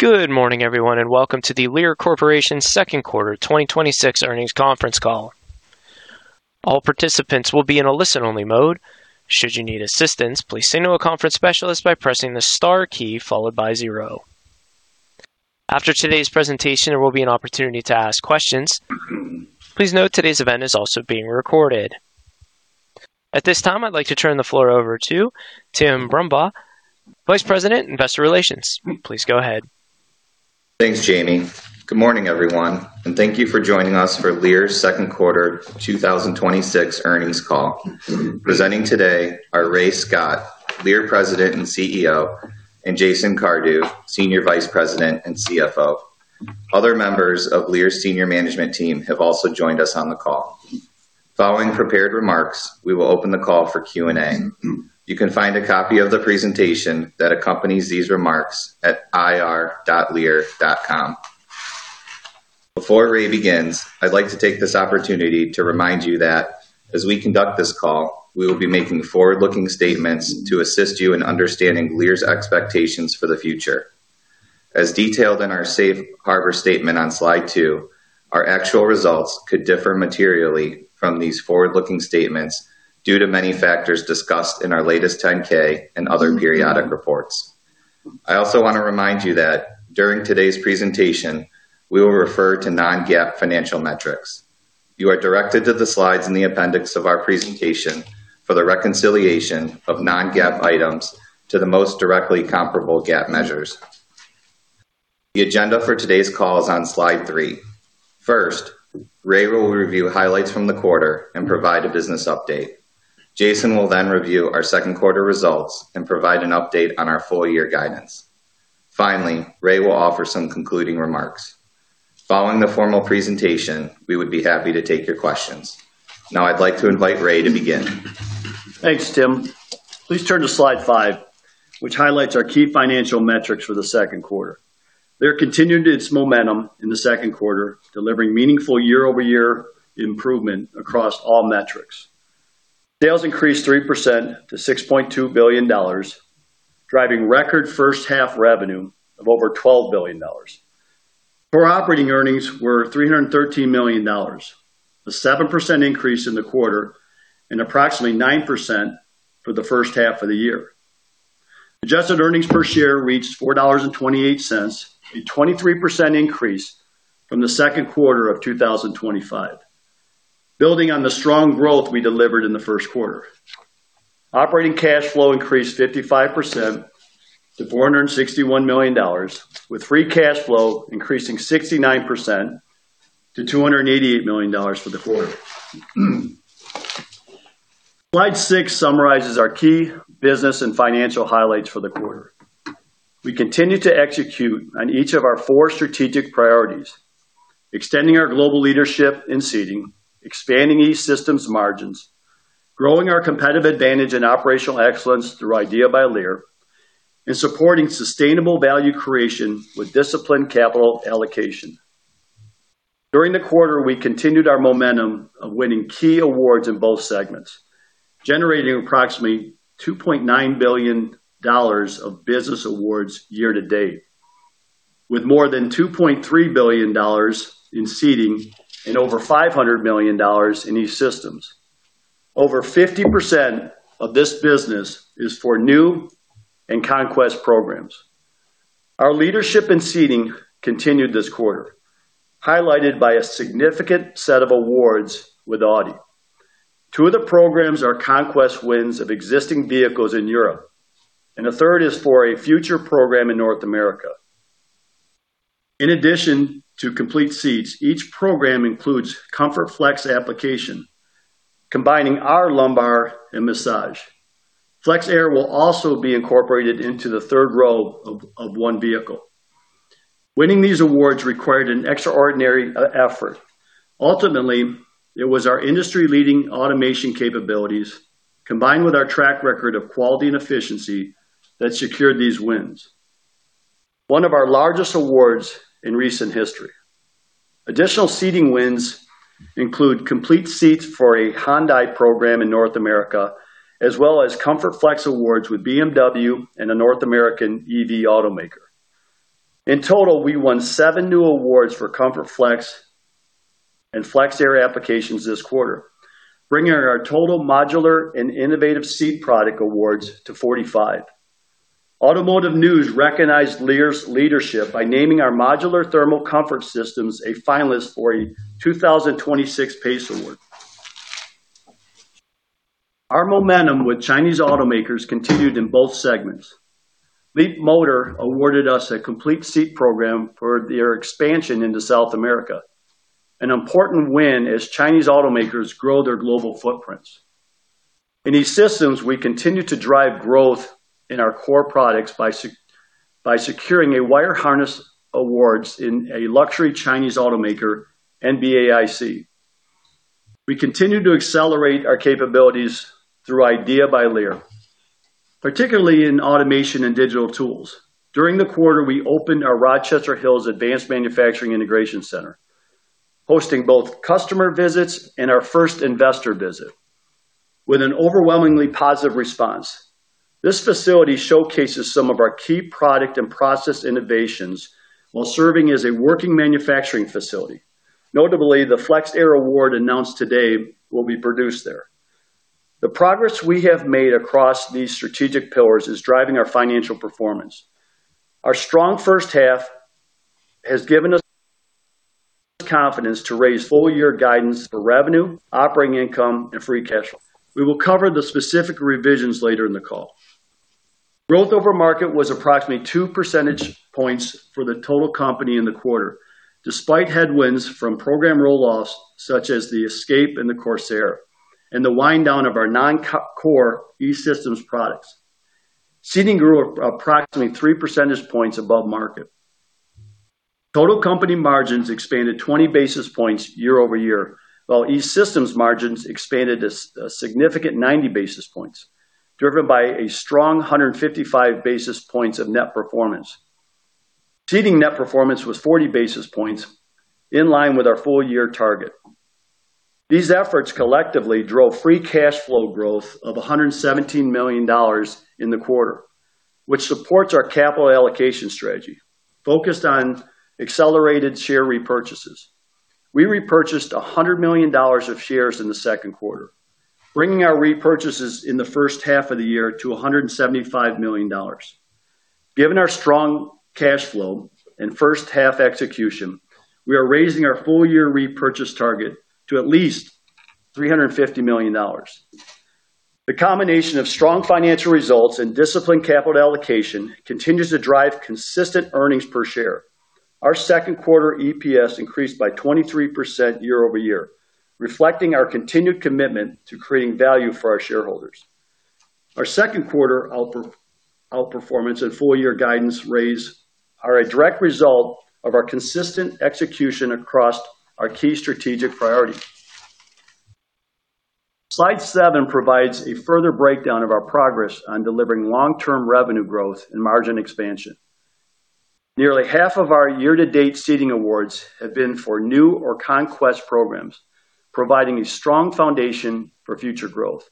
Good morning everyone. Welcome to the Lear Corporation Second Quarter 2026 Earnings Conference Call. All participants will be in a listen-only mode. Should you need assistance, please signal a conference specialist by pressing the star key followed by zero. After today's presentation, there will be an opportunity to ask questions. Please note, today's event is also being recorded. At this time, I'd like to turn the floor over to Tim Brumbaugh, Vice President, Investor Relations. Please go ahead. Thanks, Jamie. Good morning, everyone. Thank you for joining us for Lear's Second Quarter 2026 Earnings Call. Presenting today are Ray Scott, Lear President and CEO, and Jason Cardew, Senior Vice President and CFO. Other members of Lear's senior management team have also joined us on the call. Following prepared remarks, we will open the call for Q&A. You can find a copy of the presentation that accompanies these remarks at ir.lear.com. Before Ray begins, I'd like to take this opportunity to remind you that as we conduct this call, we will be making forward-looking statements to assist you in understanding Lear's expectations for the future. As detailed in our safe harbor statement on Slide two, our actual results could differ materially from these forward-looking statements due to many factors discussed in our latest 10-K and other periodic reports. I also want to remind you that during today's presentation, we will refer to non-GAAP financial metrics. You are directed to the slides in the appendix of our presentation for the reconciliation of non-GAAP items to the most directly comparable GAAP measures. The agenda for today's call is on Slide three. First, Ray will review highlights from the quarter and provide a business update. Jason will then review our second- quarter results and provide an update on our full-year guidance. Finally, Ray will offer some concluding remarks. Following the formal presentation, we would be happy to take your questions. Now I'd like to invite Ray to begin. Thanks, Tim. Please turn to Slide five, which highlights our key financial metrics for the second quarter. Lear continued its momentum in the second quarter, delivering meaningful year-over-year improvement across all metrics. Sales increased 3% to $6.2 billion, driving record first-half revenue of over $12 billion. Core operating earnings were $313 million, a 7% increase in the quarter, and approximately 9% for the first half of the year. Adjusted earnings per share reached $4.28, a 23% increase from the second quarter of 2025, building on the strong growth we delivered in the first quarter. Operating cash flow increased 55% to $461 million, with free cash flow increasing 69% to $288 million for the quarter. Slide six summarizes our key business and financial highlights for the quarter. We continue to execute on each of our four strategic priorities, extending our global leadership in Seating, expanding E-Systems margins, growing our competitive advantage in operational excellence through IDEA by Lear, and supporting sustainable value creation with disciplined capital allocation. During the quarter, we continued our momentum of winning key awards in both segments, generating approximately $2.9 billion of business awards year-to-date, with more than $2.3 billion in Seating and over $500 million in E-Systems. Over 50% of this business is for new and conquest programs. Our leadership in Seating continued this quarter, highlighted by a significant set of awards with Audi. Two of the programs are conquest wins of existing vehicles in Europe, and a third is for a future program in North America. In addition to complete seats, each program includes the ComfortFlex application, combining our lumbar and massage. FlexAir will also be incorporated into the third row of one vehicle. Winning these awards required an extraordinary effort. Ultimately, it was our industry-leading automation capabilities, combined with our track record of quality and efficiency, that secured these wins. One of our largest awards in recent history. Additional Seating wins include complete seats for a Hyundai program in North America, as well as ComfortFlex awards with BMW and a North American EV automaker. In total, we won seven new awards for ComfortFlex and FlexAir applications this quarter, bringing our total modular and innovative seat product awards to 45. Automotive News recognized Lear's leadership by naming our modular thermal comfort systems a finalist for a 2026 PACE Award. Our momentum with Chinese automakers continued in both segments. Leapmotor awarded us a complete seat program for their expansion into South America, an important win as Chinese automakers grow their global footprints. In E-Systems, we continue to drive growth in our core products by securing a wire harness award in a luxury Chinese automaker, BAIC. We continue to accelerate our capabilities through IDEA by Lear, particularly in automation and digital tools. During the quarter, we opened our Rochester Hills Advanced Manufacturing Integration Center, hosting both customer visits and our first investor visit with an overwhelmingly positive response. This facility showcases some of our key product and process innovations while serving as a working manufacturing facility. Notably, the FlexAir award announced today will be produced there. The progress we have made across these strategic pillars is driving our financial performance. Our strong first half has given us confidence to raise full-year guidance for revenue, operating income, and free cash flow. We will cover the specific revisions later in the call. Growth over market was approximately 2 percentage points for the total company in the quarter, despite headwinds from program roll-offs, such as the Escape and the Corsair, and the wind-down of our non-core E-Systems products. Seating grew approximately three percentage points above market. Total company margins expanded 20 basis points year-over-year, while E-Systems margins expanded a significant 90 basis points, driven by a strong 155 basis points of net performance. Seating net performance was 40 basis points, in line with our full-year target. These efforts collectively drove free cash flow growth of $117 million in the quarter, which supports our capital allocation strategy focused on accelerated share repurchases. We repurchased $100 million of shares in the second quarter, bringing our repurchases in the first half of the year to $175 million. Given our strong cash flow and first-half execution, we are raising our full-year repurchase target to at least $350 million. The combination of strong financial results and disciplined capital allocation continues to drive consistent earnings per share. Our second quarter EPS increased by 23% year-over-year, reflecting our continued commitment to creating value for our shareholders. Our second quarter outperformance and full-year guidance raise are a direct result of our consistent execution across our key strategic priorities. Slide seven provides a further breakdown of our progress on delivering long-term revenue growth and margin expansion. Nearly half of our year-to-date Seating awards have been for new or conquest programs, providing a strong foundation for future growth.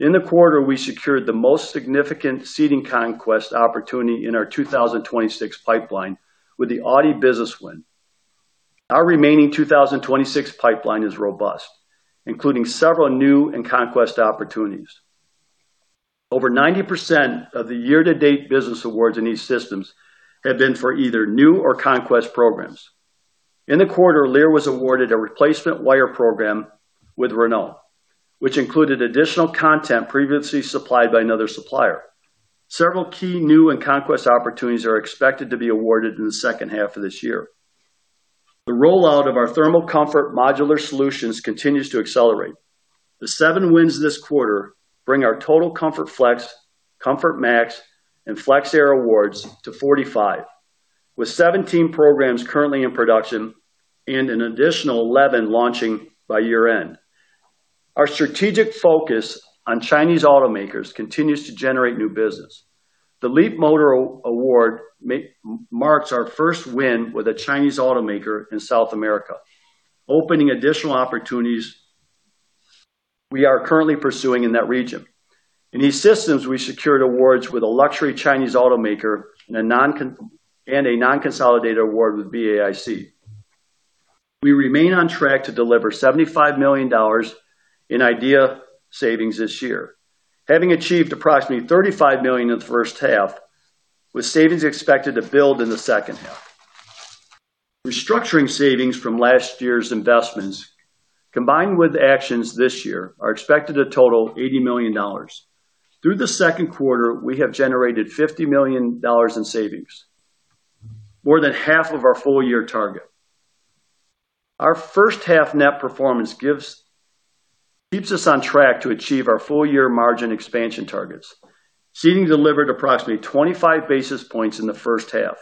In the quarter, we secured the most significant Seating conquest opportunity in our 2026 pipeline with the Audi business win. Our remaining 2026 pipeline is robust, including several new and conquest opportunities. Over 90% of the year-to-date business awards in E-Systems have been for either new or conquest programs. In the quarter, Lear was awarded a replacement wire program with Renault, which included additional content previously supplied by another supplier. Several key new and conquest opportunities are expected to be awarded in the second half of this year. The rollout of our thermal comfort modular solutions continues to accelerate. The seven wins this quarter bring our total ComfortFlex, ComfortMax, and FlexAir awards to 45, with 17 programs currently in production and an additional 11 launching by year-end. Our strategic focus on Chinese automakers continues to generate new business. The Leapmotor award marks our first win with a Chinese automaker in South America, opening additional opportunities we are currently pursuing in that region. In E-Systems, we secured awards with a luxury Chinese automaker and a non-consolidated award with BAIC. We remain on track to deliver $75 million in IDEA savings this year. Having achieved approximately $35 million in the first half, with savings expected to build in the second half. Restructuring savings from last year's investments, combined with actions this year, are expected to total $80 million. Through the second quarter, we have generated $50 million in savings, more than half of our full-year target. Our first half net performance keeps us on track to achieve our full-year margin expansion targets. Seating delivered approximately 25 basis points in the first half,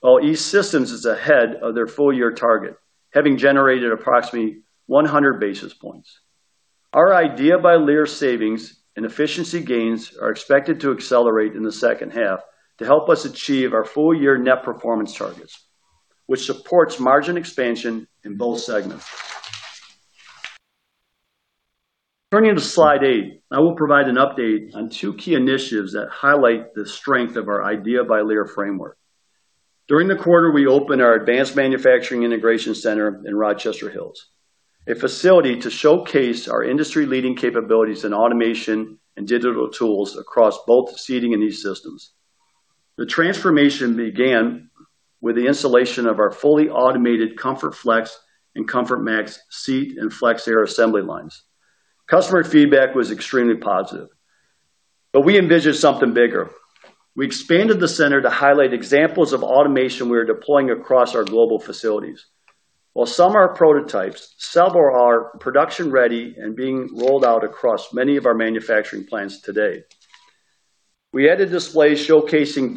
while E-Systems is ahead of their full-year target, having generated approximately 100 basis points. Our IDEA by Lear savings and efficiency gains are expected to accelerate in the second half to help us achieve our full-year net performance targets, which supports margin expansion in both segments. Turning to slide eight, I will provide an update on two key initiatives that highlight the strength of our IDEA by Lear framework. During the quarter, we opened our Advanced Manufacturing Integration Center in Rochester Hills, a facility to showcase our industry-leading capabilities in automation and digital tools across both Seating and E-Systems. The transformation began with the installation of our fully automated ComfortFlex and ComfortMax seat and FlexAir assembly lines. Customer feedback was extremely positive, but we envisioned something bigger. We expanded the center to highlight examples of automation we are deploying across our global facilities. While some are prototypes, some are production-ready and being rolled out across many of our manufacturing plants today. We added displays showcasing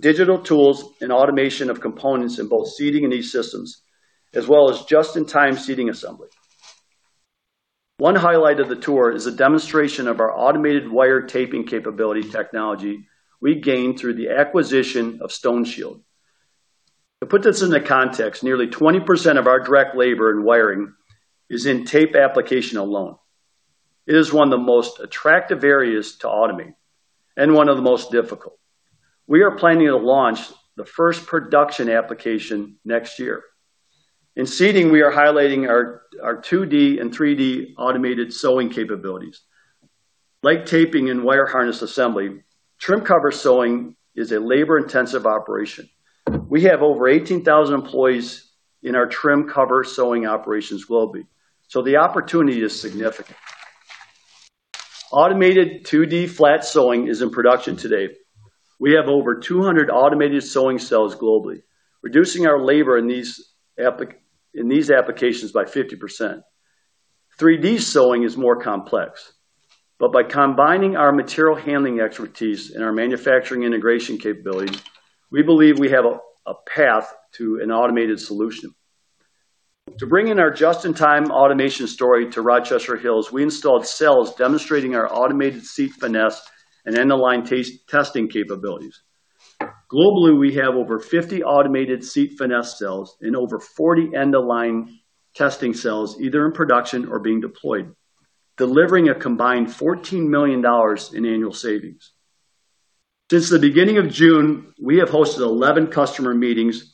digital tools and automation of components in both Seating and E-Systems, as well as just-in-time seating assembly. One highlight of the tour is a demonstration of our automated wire-taping capability technology we gained through the acquisition of StoneShield. To put this into context, nearly 20% of our direct labor and wiring is in tape application alone. It is one of the most attractive areas to automate and one of the most difficult. We are planning to launch the first production application next year. In Seating, we are highlighting our 2D and 3D automated sewing capabilities. Like taping and wire harness assembly, trim cover sewing is a labor-intensive operation. We have over 18,000 employees in our trim cover sewing operations globally, so the opportunity is significant. Automated 2D flat sewing is in production today. We have over 200 automated sewing cells globally, reducing our labor in these applications by 50%. 3D sewing is more complex. By combining our material handling expertise and our manufacturing integration capability, we believe we have a path to an automated solution. To bring in our just-in-time automation story to Rochester Hills, we installed cells demonstrating our automated seat finesse and end-of-line testing capabilities. Globally, we have over 50 automated seat finesse cells and over 40 end-of-line testing cells, either in production or being deployed, delivering a combined $14 million in annual savings. Since the beginning of June, we have hosted 11 customer meetings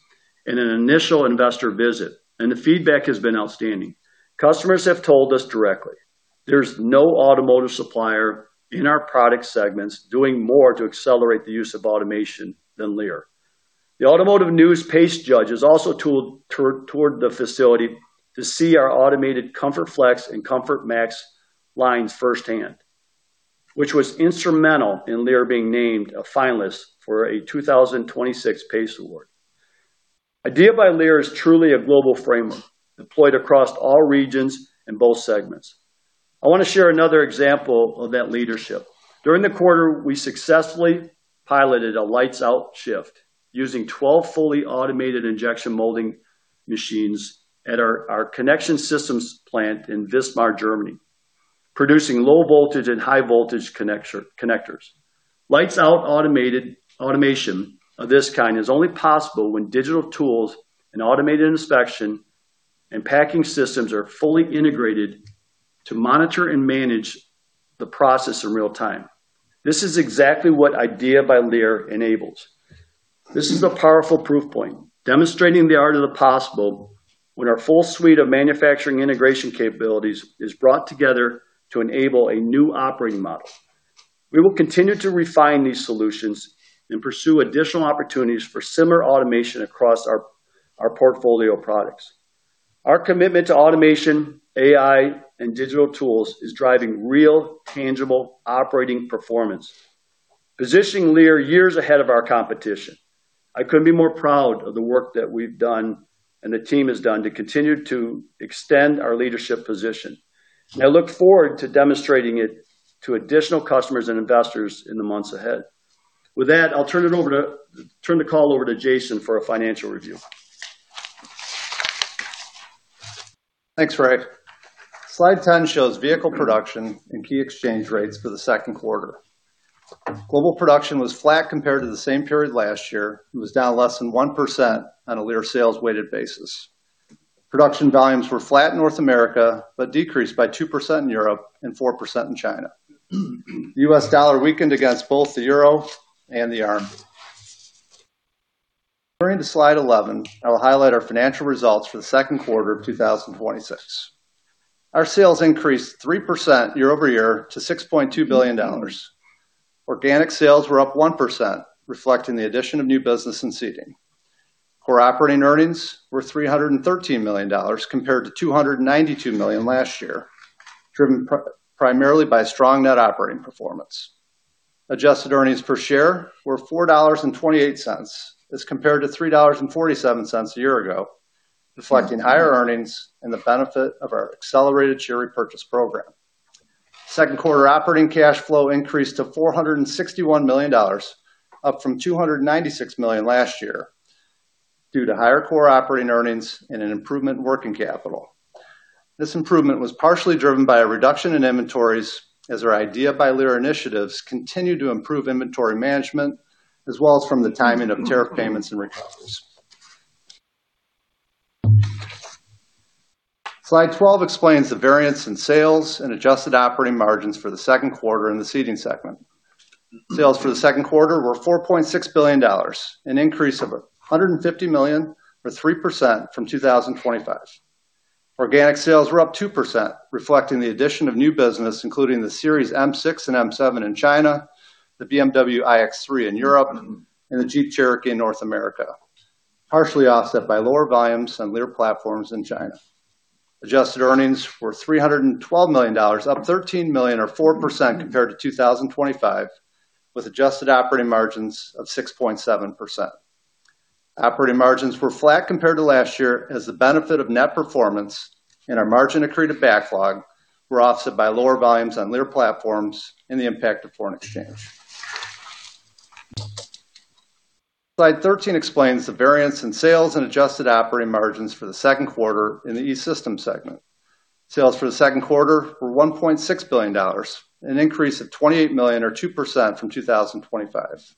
and an initial investor visit. The feedback has been outstanding. Customers have told us directly there's no automotive supplier in our product segments doing more to accelerate the use of automation than Lear. The Automotive News PACE judge has also toured the facility to see our automated ComfortFlex and ComfortMax lines firsthand, which was instrumental in Lear being named a finalist for a 2026 PACE Award. IDEA by Lear is truly a global framework deployed across all regions and both segments. I want to share another example of that leadership. During the quarter, we successfully piloted a lights-out shift using 12 fully automated injection molding machines at our connection systems plant in Wismar, Germany, producing low-voltage and high-voltage connectors. Lights-out automation of this kind is only possible when digital tools and automated inspection and packing systems are fully integrated to monitor and manage the process in real time. This is exactly what IDEA by Lear enables. This is a powerful proof point, demonstrating the art of the possible when our full suite of manufacturing integration capabilities is brought together to enable a new operating model. We will continue to refine these solutions and pursue additional opportunities for similar automation across our portfolio of products. Our commitment to automation, AI, and digital tools is driving real, tangible operating performance, positioning Lear years ahead of our competition. I couldn't be more proud of the work that we've done and the team has done to continue to extend our leadership position. I look forward to demonstrating it to additional customers and investors in the months ahead. With that, I'll turn the call over to Jason for a financial review. Thanks, Ray. Slide 10 shows vehicle production and key exchange rates for the second quarter. Global production was flat compared to the same period last year. It was down less than 1% on a Lear sales-weighted basis. Production volumes were flat in North America but decreased by 2% in Europe and 4% in China. The U.S. dollar weakened against both the euro and the RMB. Turning to Slide 11, I will highlight our financial results for the second quarter of 2026. Our sales increased 3% year-over-year to $6.2 billion. Organic sales were up 1%, reflecting the addition of new business in Seating. Core operating earnings were $313 million compared to $292 million last year, driven primarily by strong net operating performance. Adjusted earnings per share were $4.28 as compared to $3.47 a year ago, reflecting higher earnings and the benefit of our accelerated share repurchase program. Second quarter operating cash flow increased to $461 million, up from $296 million last year, due to higher core operating earnings and an improvement in working capital. This improvement was partially driven by a reduction in inventories as our IDEA by Lear initiatives continue to improve inventory management, as well as from the timing of tariff payments and recoveries. Slide 12 explains the variance in sales and adjusted operating margins for the second quarter in the Seating segment. Sales for the second quarter were $4.6 billion, an increase of $150 million, or 3%, from 2025. Organic sales were up 2%, reflecting the addition of new business, including the Series M6 and M7 in China, the BMW iX3 in Europe, and the Jeep Cherokee in North America, partially offset by lower volumes on Lear platforms in China. Adjusted earnings were $312 million, up $13 million, or 4%, compared to 2025, with adjusted operating margins of 6.7%. Operating margins were flat compared to last year, as the benefit of net performance in our margin-accrue backlog was offset by lower volumes on Lear platforms and the impact of foreign exchange. Slide 13 explains the variance in sales and adjusted operating margins for the second quarter in the E-Systems segment. Sales for the second quarter were $1.6 billion, an increase of $28 million, or 2%, from 2025.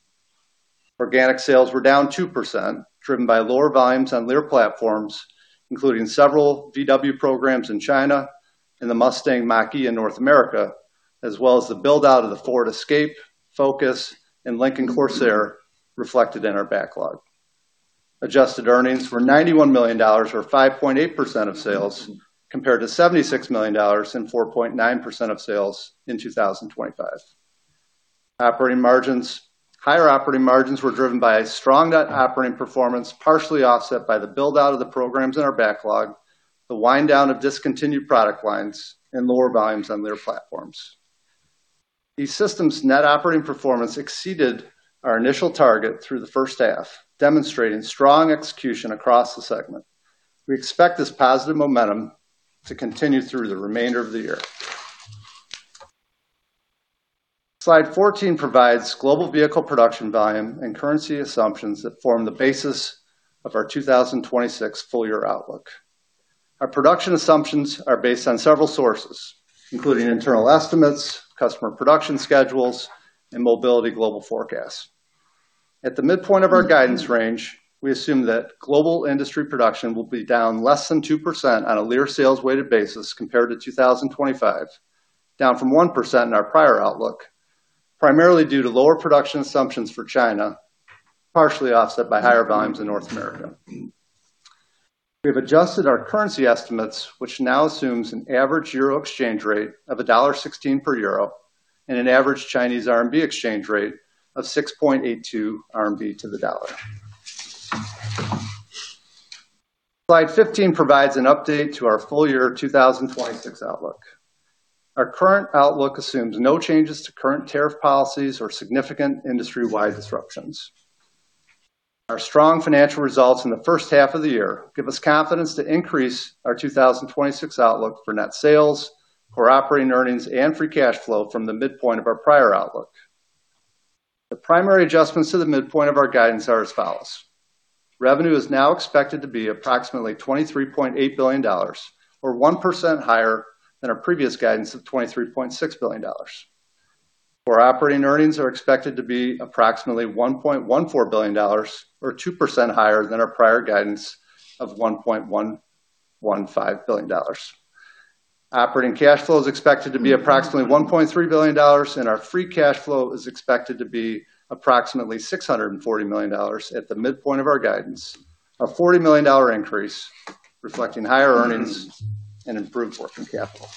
Organic sales were down 2%, driven by lower volumes on Lear platforms, including several VW programs in China and the Mustang Mach-E in North America, as well as the build-out of the Ford Escape, Focus, and Lincoln Corsair reflected in our backlog. Adjusted earnings were $91 million, or 5.8% of sales, compared to $76 million and 4.9% of sales in 2025. Higher operating margins were driven by strong net operating performance, partially offset by the build-out of the programs in our backlog, the wind-down of discontinued product lines, and lower volumes on Lear platforms. E-Systems net operating performance exceeded our initial target through the first half, demonstrating strong execution across the segment. We expect this positive momentum to continue through the remainder of the year. Slide 14 provides global vehicle production volume and currency assumptions that form the basis of our 2026 full-year outlook. Our production assumptions are based on several sources, including internal estimates, customer production schedules, and S&P Global Mobility global forecast. At the midpoint of our guidance range, we assume that global industry production will be down less than 2% on a Lear sales weighted basis compared to 2025, down from 1% in our prior outlook, primarily due to lower production assumptions for China, partially offset by higher volumes in North America. We've adjusted our currency estimates, which now assumes an average Euro exchange rate of EUR 1.16 per euro and an average Chinese RMB exchange rate of 6.82 RMB to the dollar. Slide 15 provides an update to our full-year 2026 outlook. Our current outlook assumes no changes to current tariff policies or significant industry-wide disruptions. Our strong financial results in the first half of the year give us confidence to increase our 2026 outlook for net sales, core operating earnings, and free cash flow from the midpoint of our prior outlook. The primary adjustments to the midpoint of our guidance are as follows. Revenue is now expected to be approximately $23.8 billion, or 1% higher than our previous guidance of $23.6 billion. Core operating earnings are expected to be approximately $1.14 billion, or 2% higher than our prior guidance of $1.115 billion. Operating cash flow is expected to be approximately $1.3 billion, and our free cash flow is expected to be approximately $640 million at the midpoint of our guidance, a $40 million increase reflecting higher earnings and improved working capital.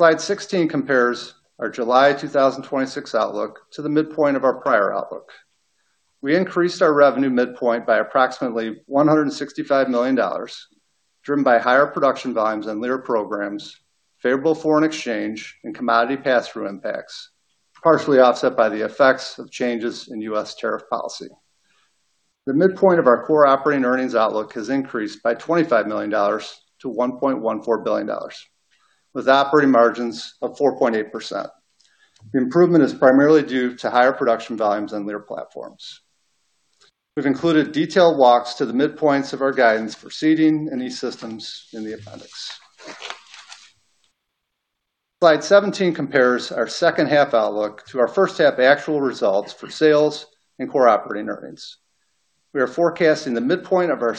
Slide 16 compares our July 2026 outlook to the midpoint of our prior outlook. We increased our revenue midpoint by approximately $165 million, driven by higher production volumes on Lear programs, favorable foreign exchange, and commodity pass-through impacts, partially offset by the effects of changes in U.S. tariff policy. The midpoint of our core operating earnings outlook has increased by $25 million to $1.14 billion, with operating margins of 4.8%. The improvement is primarily due to higher production volumes on Lear platforms. We've included detailed walks to the midpoints of our guidance for Seating and E-Systems in the appendix. Slide 17 compares our second-half outlook to our first-half actual results for sales and core operating earnings. We are forecasting the midpoint of our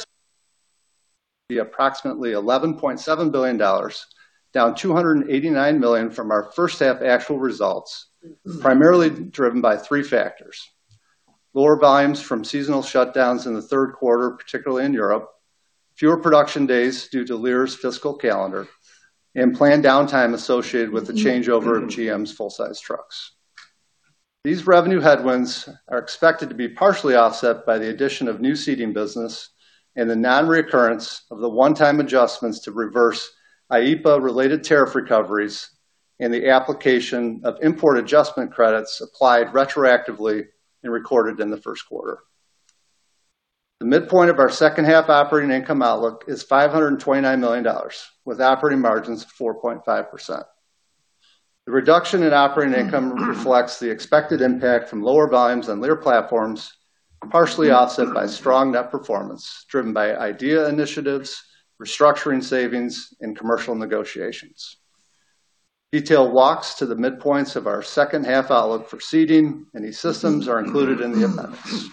be approximately $11.7 billion, down $289 million from our first half actual results, primarily driven by three factors: lower volumes from seasonal shutdowns in the third quarter, particularly in Europe, fewer production days due to Lear's fiscal calendar, and planned downtime associated with the changeover of GM's full-size trucks. These revenue headwinds are expected to be partially offset by the addition of new Seating business and the non-recurrence of the one-time adjustments to reverse IEEPA-related tariff recoveries and the application of import adjustment credits applied retroactively and recorded in the first quarter. The midpoint of our second half operating income outlook is $529 million, with operating margins of 4.5%. The reduction in operating income reflects the expected impact from lower volumes on Lear platforms, partially offset by strong net performance driven by IDEA initiatives, restructuring savings, and commercial negotiations. Detailed walks to the midpoints of our second-half outlook for Seating and E-Systems are included in the appendix.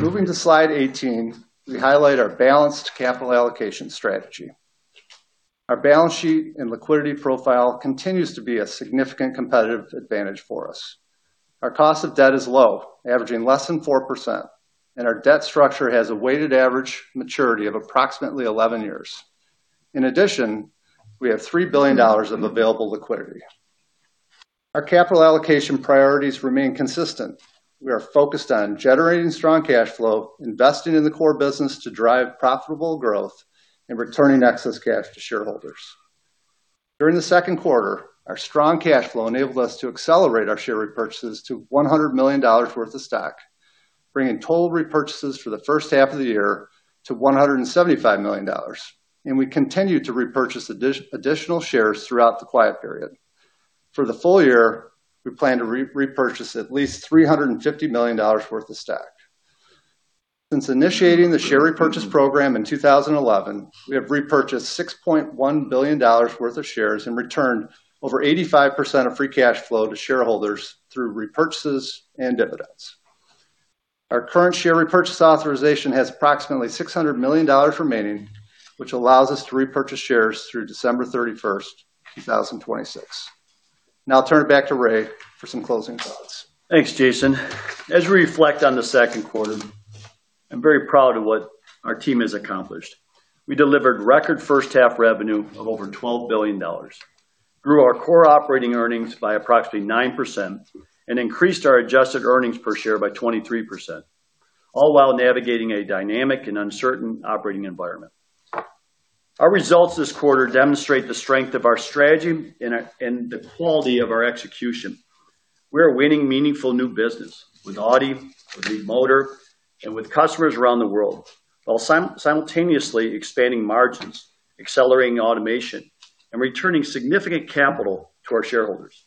Moving to Slide 18, we highlight our balanced capital allocation strategy. Our balance sheet and liquidity profile continue to be a significant competitive advantage for us. Our cost of debt is low, averaging less than 4%, and our debt structure has a weighted average maturity of approximately 11 years. In addition, we have $3 billion of available liquidity. Our capital allocation priorities remain consistent. We are focused on generating strong cash flow, investing in the core business to drive profitable growth, and returning excess cash to shareholders. During the second quarter, our strong cash flow enabled us to accelerate our share repurchases to $100 million worth of stock, bringing total repurchases for the first half of the year to $175 million. We continue to repurchase additional shares throughout the quiet period. For the full year, we plan to re-repurchase at least $350 million worth of stock. Since initiating the share repurchase program in 2011, we have repurchased $6.1 billion worth of shares and returned over 85% of free cash flow to shareholders through repurchases and dividends. Our current share repurchase authorization has approximately $600 million remaining, which allows us to repurchase shares through December 31st, 2026. Now I'll turn it back to Ray for some closing thoughts. Thanks, Jason. As we reflect on the second quarter, I'm very proud of what our team has accomplished. We delivered record first-half revenue of over $12 billion, grew our core operating earnings by approximately 9%, and increased our adjusted earnings per share by 23%, all while navigating a dynamic and uncertain operating environment. Our results this quarter demonstrate the strength of our strategy and the quality of our execution. We are winning meaningful new business with Audi, with Leapmotor, and with customers around the world, while simultaneously expanding margins, accelerating automation, and returning significant capital to our shareholders.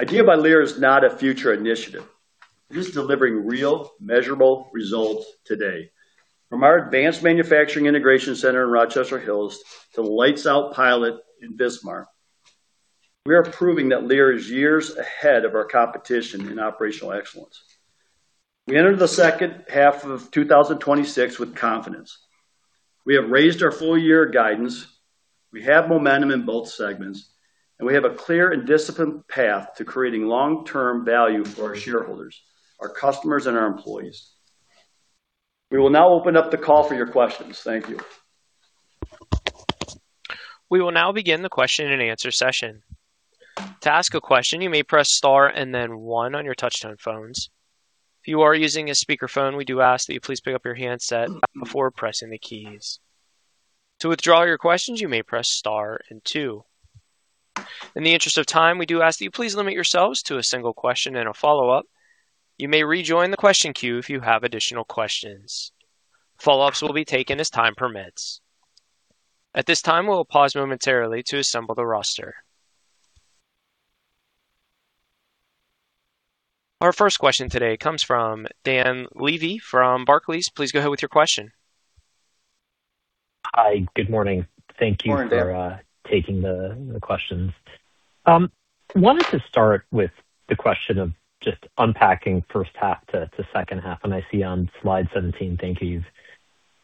IDEA by Lear is not a future initiative. It is delivering real, measurable results today. From our Advanced Manufacturing Integration Center in Rochester Hills to the lights-out pilot in Wismar, we are proving that Lear is years ahead of our competition in operational excellence. We enter the second half of 2026 with confidence. We have raised our full-year guidance, we have momentum in both segments, and we have a clear and disciplined path to creating long-term value for our shareholders, our customers, and our employees. We will now open up the call for your questions. Thank you. We will now begin the question and answer session. To ask a question, you may press star and then one on your touch-tone phones. If you are using a speakerphone, we do ask that you please pick up your handset before pressing the keys. To withdraw your questions, you may press star and two. In the interest of time, we do ask that you please limit yourselves to a single question and a follow-up. You may rejoin the question queue if you have additional questions. Follow-ups will be taken as time permits. At this time, we will pause momentarily to assemble the roster. Our first question today comes from Dan Levy from Barclays. Please go ahead with your question. Hi. Good morning. Morning, Dan. Thank you for taking the questions. Wanted to start with the question of just unpacking the first half to the second half. I see on slide 17; I think you've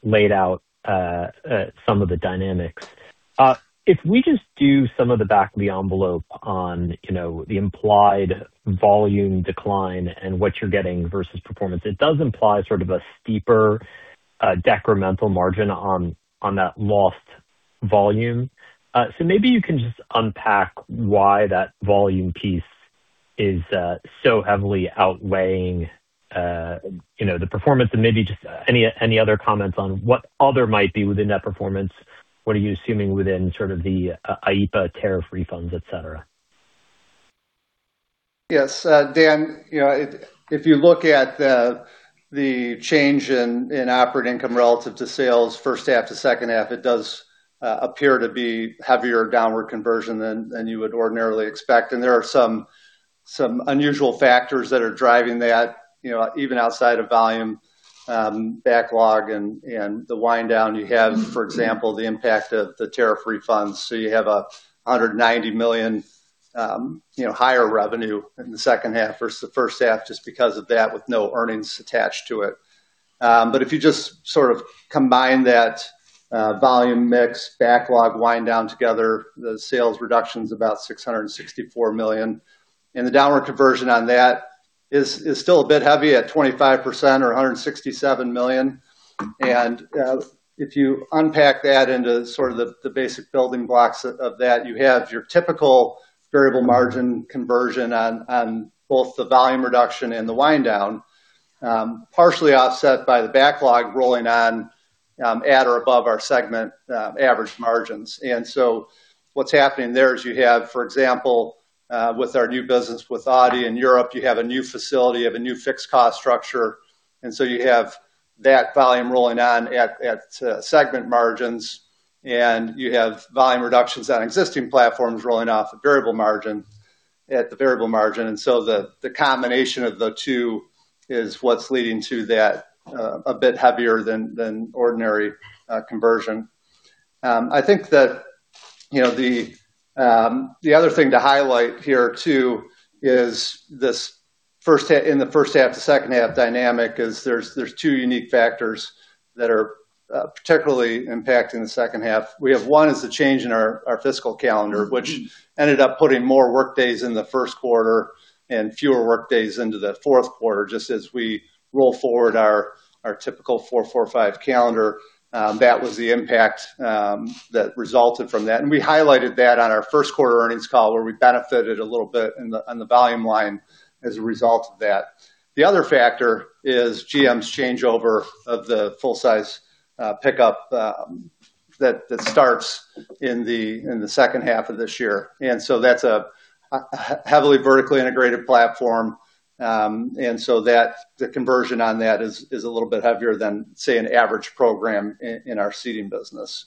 laid out some of the dynamics. If we just do some of the back-of-the-envelope on the implied volume decline and what you're getting versus performance, it does imply sort of a steeper decremental margin on that lost volume. Maybe you can just unpack why that volume piece is so heavily outweighing the performance and maybe just any other comments on what others might be within that performance? What are you assuming within the sort of IEEPA tariff refunds, et cetera? Yes, Dan, if you look at the change in operating income relative to sales from the first half to the second half, it does appear to be a heavier downward conversion than you would ordinarily expect. There are some unusual factors that are driving that, even outside of volume, backlog, and the wind-down. You have, for example, the impact of the tariff refunds. You have $190 million higher revenue in the second half versus the first half just because of that, with no earnings attached to it. If you just sort of combine that volume mix backlog wind-down together, the sales reduction's about $664 million. The downward conversion on that is still a bit heavy at 25%, or $167 million. If you unpack that into sort of the basic building blocks of that, you have your typical variable margin conversion on both the volume reduction and the wind-down, partially offset by the backlog rolling on at or above our segment average margins. What's happening there is you have, for example, with our new business with Audi in Europe, you have a new facility and a new fixed cost structure. You have that volume rolling on at segment margins, and you have volume reductions on existing platforms rolling off at the variable margin. The combination of the two is what's leading to that being a bit heavier than ordinary conversion. I think that the other thing to highlight here too is this: in the first half to second half dynamic, there are two unique factors that are particularly impacting the second half. We have one, the change in our fiscal calendar, which ended up putting more workdays in the first quarter and fewer workdays in the fourth quarter, just as we roll forward our typical four-four-five calendar. That was the impact that resulted from that, and we highlighted that on our first quarter earnings call, where we benefited a little bit on the volume line as a result of that. The other factor is GM's changeover of the full-size pickup that starts in the second half of this year. That's a heavily vertically integrated platform. The conversion on that is a little bit heavier than, say, an average program in our Seating business.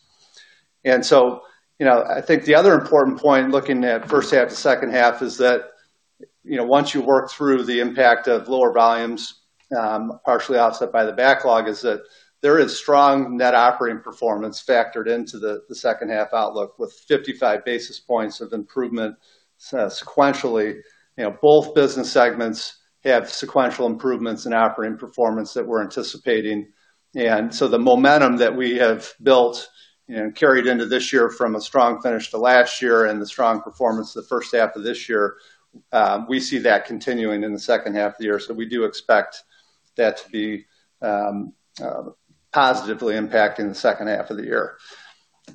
I think the other important point, looking at first half to second half is that, once you work through the impact of lower volumes, partially offset by the backlog, is that there is strong net operating performance factored into the second half outlook with 55 basis points of improvement sequentially. Both business segments have sequential improvements in operating performance that we're anticipating. The momentum that we have built and carried into this year from a strong finish to last year and the strong performance of the first half of this year, we see continuing in the second half of the year. We do expect that to be positively impacting the second half of the year.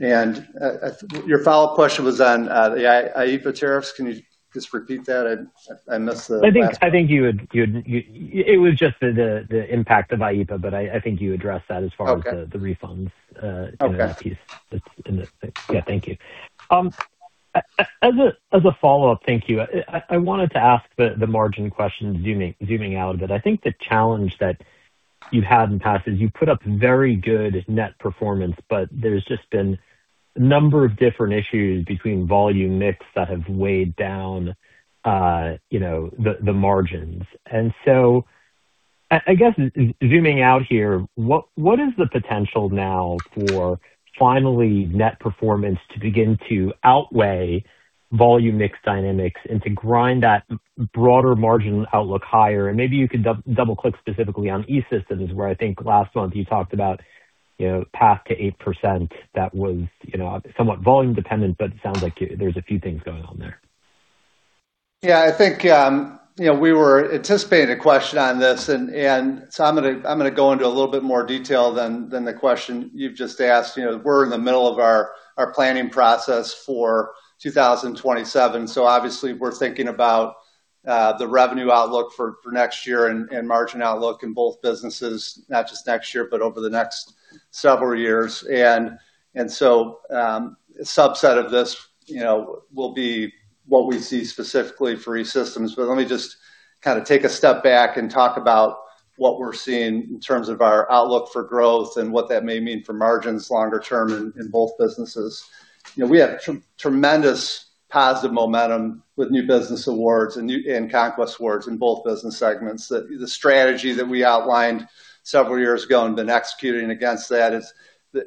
Your follow-up question was on the IEEPA tariffs. Can you just repeat that? I missed the last part. I think it was just the impact of IEEPA, but I think you addressed that as far as— Okay. ...the refunds— Okay. ...in that piece. Yeah. Thank you. As a follow-up, thank you. I wanted to ask the margin question, zooming out a bit. I think the challenge that you've had in the past is you've put up very good net performance, but there's just been a number of different issues between volume mix that have weighed down the margins. So I guess zooming out here, what is the potential now for finally net performance to begin to outweigh volume mix dynamics and to grind that broader margin outlook higher? Maybe you could double-click specifically on E-Systems, where I think last month you talked about the path to 8%, which was somewhat volume dependent, but it sounds like there are a few things going on there. Yeah. I think we were anticipating a question on this, so I'm going to go into a little bit more detail than the question you've just asked. We're in the middle of our planning process for 2027, so obviously we're thinking about the revenue outlook for next year and the margin outlook in both businesses, not just next year, but over the next several years. So, a subset of this will be what we see specifically for E-Systems. Let me just kind of take a step back and talk about what we're seeing in terms of our outlook for growth and what that may mean for margins longer-term in both businesses. We have tremendous positive momentum with new business awards and conquest awards in both business segments. The strategy that we outlined several years ago and have been executing against that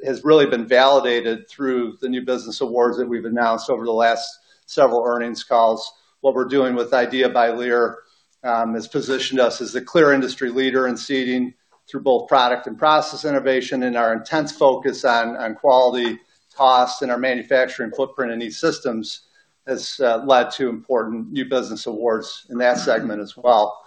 has really been validated through the new business awards that we've announced over the last several earnings calls. What we're doing with IDEA by Lear has positioned us as the clear industry leader in Seating through both product and process innovation, and our intense focus on quality, cost, and our manufacturing footprint in E-Systems has led to important new business awards in that segment as well.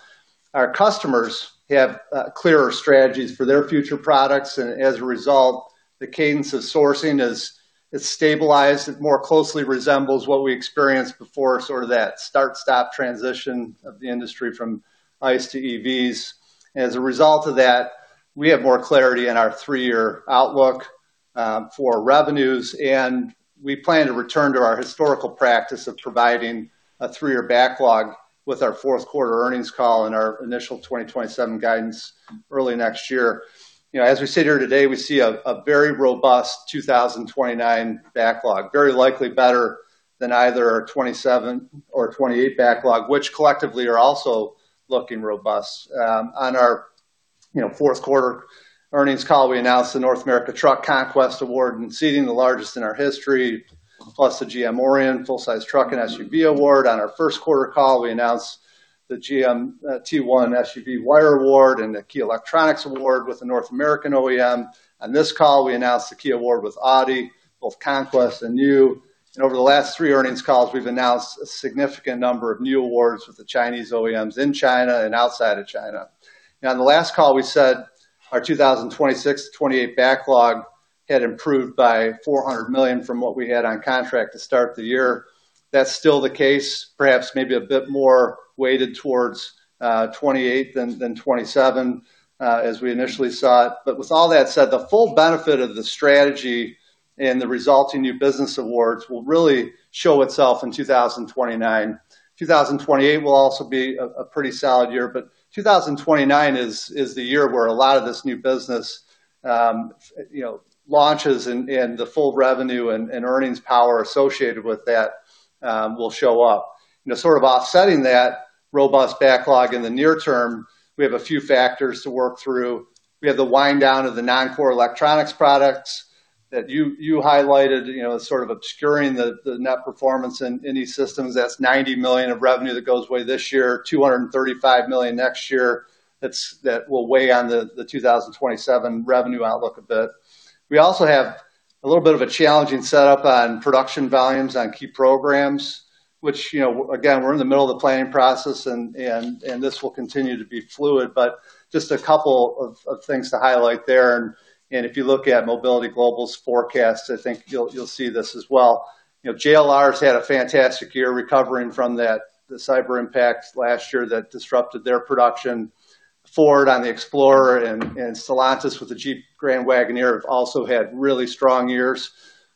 Our customers have clearer strategies for their future products, and as a result, the cadence of sourcing is stabilized. It more closely resembles what we experienced before, sort of that start-stop transition of the industry from ICE to EVs. As a result of that, we have more clarity in our three-year outlook for revenues, and we plan to return to our historical practice of providing a three-year backlog with our fourth quarter earnings call and our initial 2027 guidance early next year. As we sit here today, we see a very robust 2029 backlog, very likely better than either our 2027 or 2028 backlog, which collectively are also looking robust. On our fourth-quarter earnings call, we announced the North America Truck Conquest Award in Seating, the largest in our history, plus the GM Orion Full-Size Truck and SUV award. On our first quarter call, we announced the GM T1 SUV Wire Award and the Key Electronics Award with the North American OEM. On this call, we announced the Key Award with Audi, both conquest and new. Over the last three earnings calls, we've announced a significant number of new awards with the Chinese OEMs in China and outside of China. On the last call, we said our 2026-2028 backlog had improved by $400 million from what we had on contract to start the year. That's still the case, perhaps maybe a bit more weighted towards 2028 than 2027, as we initially saw it. With all that said, the full benefit of the strategy and the resulting new business awards will really show itself in 2029. 2028 will also be a pretty solid year, but 2029 is the year where a lot of this new business launches and the full revenue and earnings power associated with that will show up. Sort of offsetting that robust backlog in the near term, we have a few factors to work through. We have the wind-down of the non-core electronics products that you highlighted, sort of obscuring the net performance in E-Systems. That's $90 million of revenue that goes away this year and $235 million next year; that will weigh on the 2027 revenue outlook a bit. We also have a little bit of a challenging setup on production volumes on key programs, which again, we're in the middle of the planning process, and this will continue to be fluid. But just a couple of things to highlight there, and if you look at S&P Global Mobility's forecast, I think you'll see this as well. JLR's had a fantastic year recovering from the cyber impact last year that disrupted their production. Ford on the Explorer and Stellantis with the Jeep Grand Wagoneer have also had really strong years.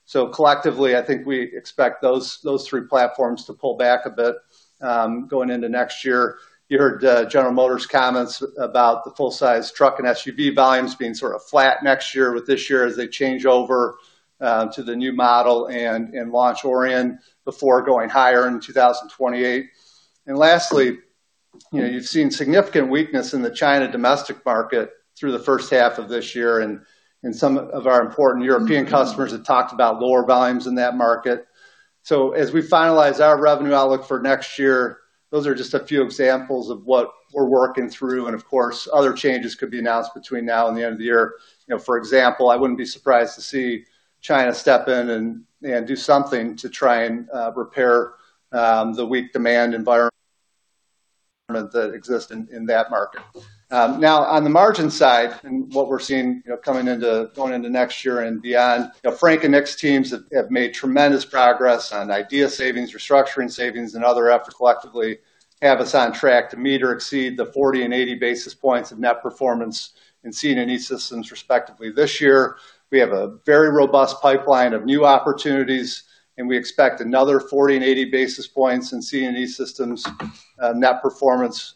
Collectively, I think we expect those three platforms to pull back a bit going into next year. You heard General Motors comments about the full-size truck and SUV volumes being sort of flat next year with this year as they change over to the new model and launch Orion before going higher in 2028. Lastly, you've seen significant weakness in the China domestic market through the first half of this year, and some of our important European customers have talked about lower volumes in that market. As we finalize our revenue outlook for next year, those are just a few examples of what we're working through, and of course, other changes could be announced between now and the end of the year. For example, I wouldn't be surprised to see China step in and do something to try and repair the weak demand environment that exists in that market. On the margin side and what we're seeing going into next year and beyond, Frank and Nick's teams have made tremendous progress on IDEA savings, restructuring savings, and other efforts collectively have us on track to meet or exceed the 40 and 80 basis points of net performance in C and E-Systems respectively this year. We have a very robust pipeline of new opportunities, and we expect another 40 and 80 basis points in C and E-Systems net performance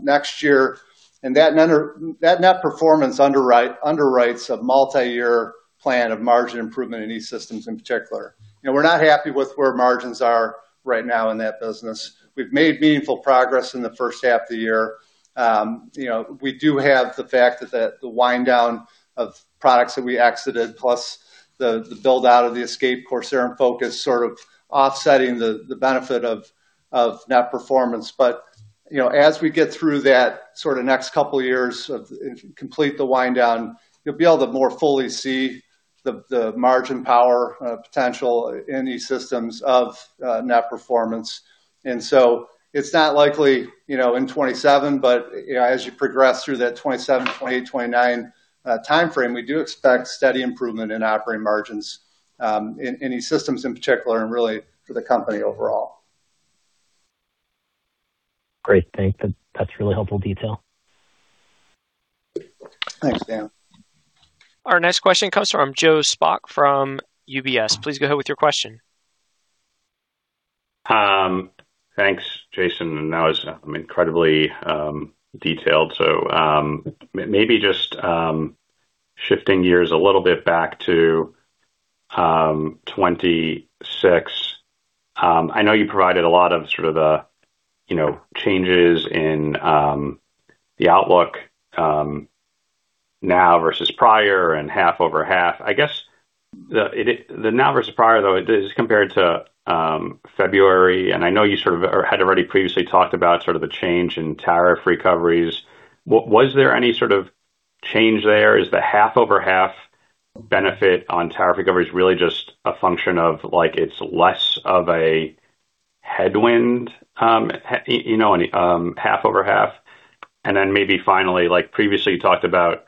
next year. That net performance underwrites a multi-year plan of margin improvement in E-Systems in particular. We're not happy with where margins are right now in that business. We've made meaningful progress in the first half of the year. We do have the fact that the wind-down of products that we exited, plus the build-out of the Escape, Corsair, and Focus, sort of offset the benefit of net performance. But as we get through that sort of next couple of years of complete wind-down, you'll be able to more fully see the margin power potential in E-Systems of net performance. So it's not likely in 2027, but as you progress through that 2027, 2028, 2029 timeframe, we do expect steady improvement in operating margins, in E-Systems particular, and really for the company overall. Great. Thank you. That's really helpful detail. Thanks, Dan. Our next question comes from Joe Spak from UBS. Please go ahead with your question. Thanks, Jason. That was incredibly detailed. Maybe just shifting gears a little bit back to 2026. I know you provided a lot of sorts of the changes in the outlook now versus prior and half-over-half. I guess the now versus prior, though, is compared to February, and I know you sort of had already previously talked about sort of the change in tariff recoveries. Was there any sort of change there? Is the half-over-half benefit on tariff recoveries really just a function of, like it's less of a headwind, half-over-half? Then maybe finally, like previously, you talked about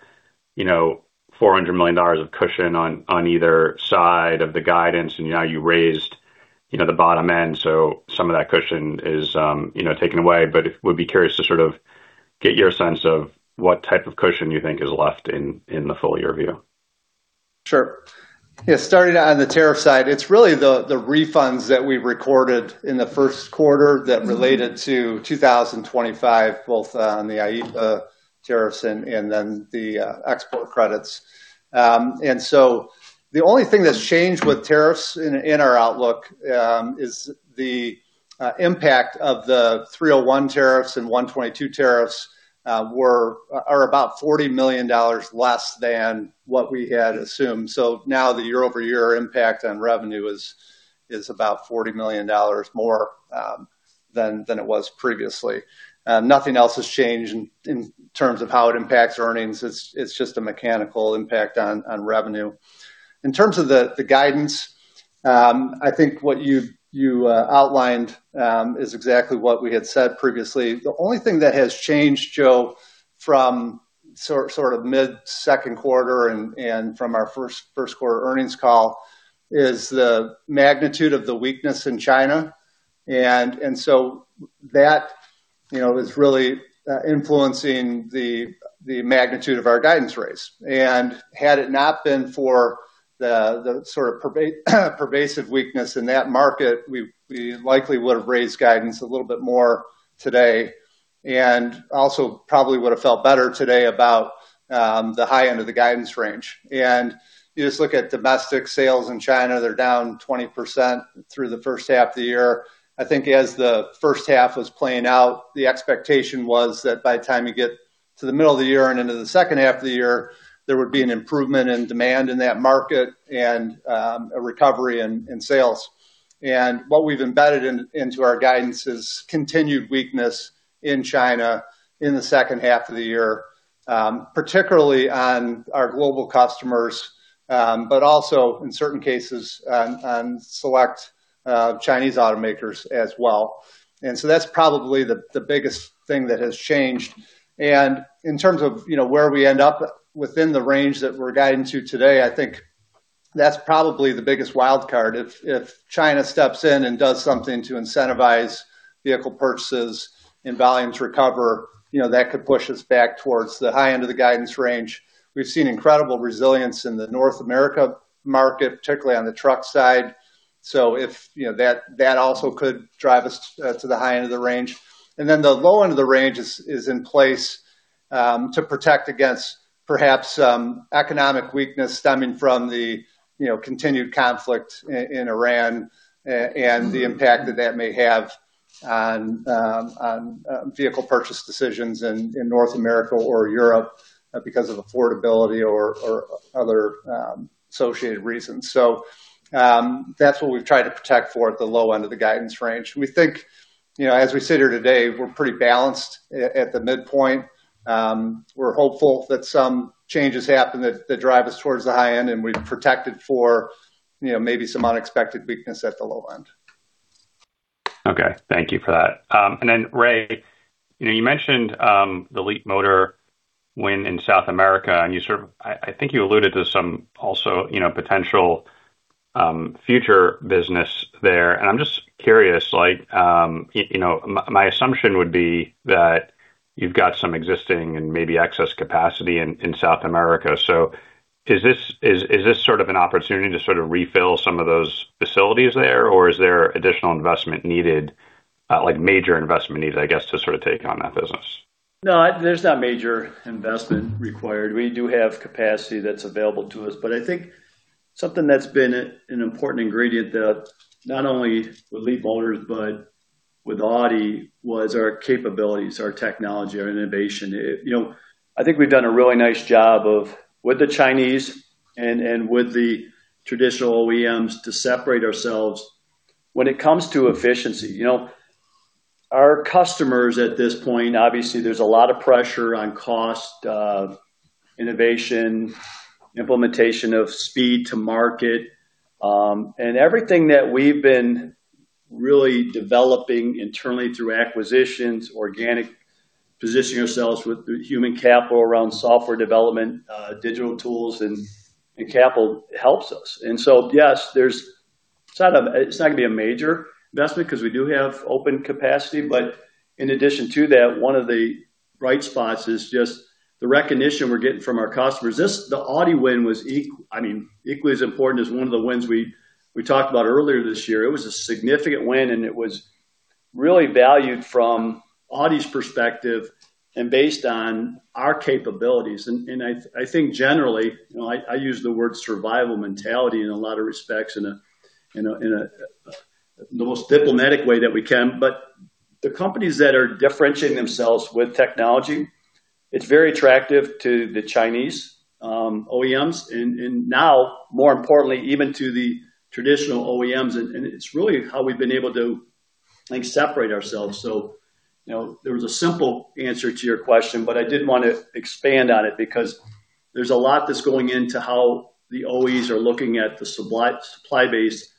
$400 million of cushion on either side of the guidance, and now you raised the bottom end. Some of that cushion is taken away. Would be curious to sort of get your sense of what type of cushion you think is left in the full-year view. Sure. Starting on the tariff side, it's really the refunds that we recorded in the first quarter that related to 2025, both on the IEEPA tariffs and then the export credits. The only thing that's changed with tariffs in our outlook is the impact of the 301 tariffs and 232 tariffs are about $40 million less than what we had assumed. Now the year-over-year impact on revenue is about $40 million more than it was previously. Nothing else has changed in terms of how it impacts earnings. It's just a mechanical impact on revenue. In terms of the guidance, I think what you outlined is exactly what we had said previously. The only thing that has changed, Joe, from sort of mid-second quarter and from our first quarter earnings call is the magnitude of the weakness in China. That is really influencing the magnitude of our guidance raise. Had it not been for the sort of pervasive weakness in that market, we likely would have raised guidance a little bit more today and also probably would have felt better today about the high end of the guidance range. You just look at domestic sales in China; they're down 20% through the first half of the year. As the first half was playing out, the expectation was that by the time you get to the middle of the year and into the second half of the year, there would be an improvement in demand in that market and a recovery in sales. What we've embedded into our guidance is continued weakness in China in the second half of the year, particularly on our global customers, but also in certain cases, on select Chinese automakers as well. That's probably the biggest thing that has changed. In terms of where we end up within the range that we're guiding to today, I think that's probably the biggest wild card. If China steps in and does something to incentivize vehicle purchases and volumes recover, that could push us back towards the high end of the guidance range. We've seen incredible resilience in the North America market, particularly on the truck side. That also could drive us to the high end of the range. The low end of the range is in place to protect against perhaps some economic weakness stemming from the continued conflict in Iran and the impact that that may have on vehicle purchase decisions in North America or Europe because of affordability or other associated reasons. That's what we've tried to protect at the low end of the guidance range. We think, as we sit here today, we're pretty balanced at the midpoint. We're hopeful that some changes happen that drive us towards the high end, and we've protected for maybe some unexpected weakness at the low end. Okay, thank you for that. Ray, you mentioned the Leapmotor win in South America; I think you alluded to some also potential future business there. I'm just curious; my assumption would be that you've got some existing and maybe excess capacity in South America. Is this sort of an opportunity to refill some of those facilities there, or is there additional investment needed, like major investment needed, I guess, to sort of take on that business? No, there's no major investment required. We do have capacity that's available to us. I think something that's been an important ingredient, not only with Leapmotor but also with Audi, was our capabilities, our technology, and our innovation. I think we've done a really nice job with the Chinese and with the traditional OEMs to separate ourselves when it comes to efficiency. Our customers at this point, obviously, have a lot of pressure on cost, innovation, and implementation of speed to market. Everything that we've been really developing internally through acquisitions and organic positioning ourselves with human capital around software development, digital tools, and capital helps us. Yes, it's not going to be a major investment because we do have open capacity. In addition to that, one of the bright spots is just the recognition we're getting from our customers. The Audi win was equally as important as one of the wins we talked about earlier this year. It was a significant win; it was really valued from Audi's perspective and based on our capabilities. I think generally, I use the word survival mentality in a lot of respects in the most diplomatic way that we can. The companies that are differentiating themselves with technology are very attractive to the Chinese OEMs. Now, more importantly, even to the traditional OEMs, it's really how we've been able to separate ourselves. There was a simple answer to your question. I did want to expand on it because there's a lot that's going into how the OEs are looking at the supply base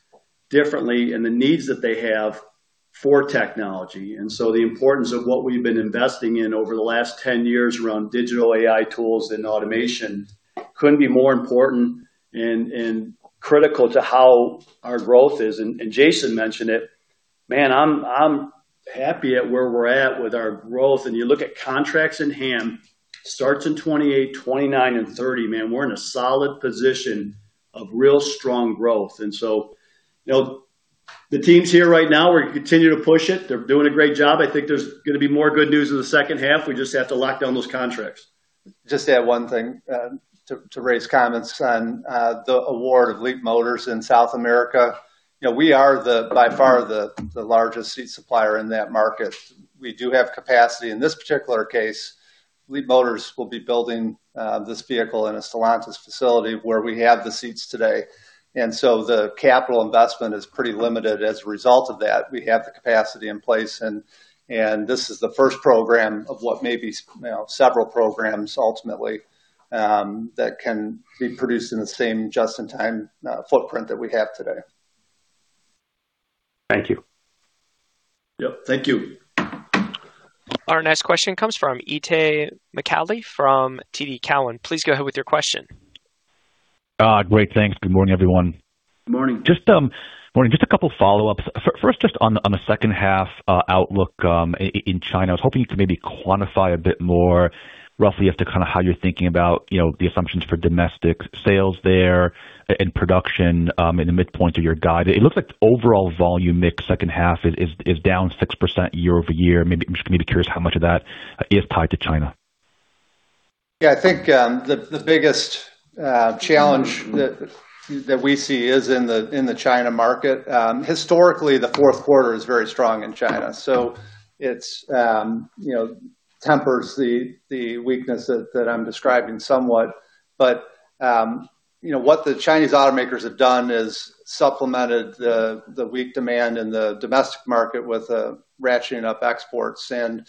differently and the needs that they have for technology. The importance of what we've been investing in over the last 10 years around digital AI tools and automation couldn't be more important and critical to how our growth is. Jason mentioned it, man. I'm happy at where we're at with our growth. You look at contracts in hand, starting in 2028, 2029, and 2030; man, we're in a solid position of real strong growth. The team's here right now. We're continuing to push it. They're doing a great job. I think there's going to be more good news in the second half. We just have to lock down those contracts. Just add one thing to Ray's comments on the award of Leapmotor in South America. We are by far the largest seat supplier in that market. We do have capacity. In this particular case, Leapmotor will be building this vehicle in a Stellantis facility where we have the seats today. So the capital investment is pretty limited as a result of that. We have the capacity in place, and this is the first program of what may be several programs ultimately that can be produced in the same just-in-time footprint that we have today. Thank you. Yep, thank you. Our next question comes from Itay Michaeli from TD Cowen. Please go ahead with your question. Great. Thanks. Good morning, everyone. Morning. Morning. Just a couple follow-ups. First, just on the second-half outlook in China. I was hoping you could maybe quantify a bit more roughly as to kind of how you're thinking about the assumptions for domestic sales there and production in the midpoint of your guide. It looks like the overall volume mix of the second half is down 6% year-over-year. I'm just going to be curious how much of that is tied to China. Yeah, I think the biggest challenge that we see is in the China market. Historically, the fourth quarter is very strong in China; it tempers the weakness that I'm describing somewhat. What the Chinese automakers have done is supplemented the weak demand in the domestic market with ratcheting up exports. The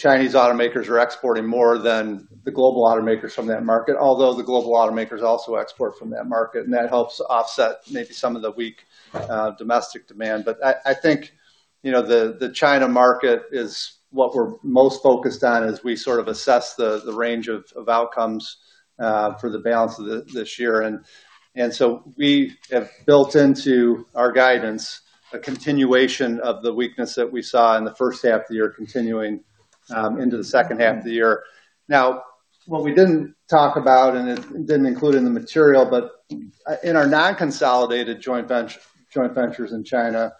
Chinese automakers are exporting more than the global automakers from that market, although the global automakers also export from that market, and that helps offset maybe some of the weak domestic demand. I think the China market is what we're most focused on as we sort of assess the range of outcomes for the balance of this year. We have built into our guidance a continuation of the weakness that we saw in the first half of the year continuing into the second half of the year. What we didn't talk about, and it didn't include in the material, in our non-consolidated joint ventures in China,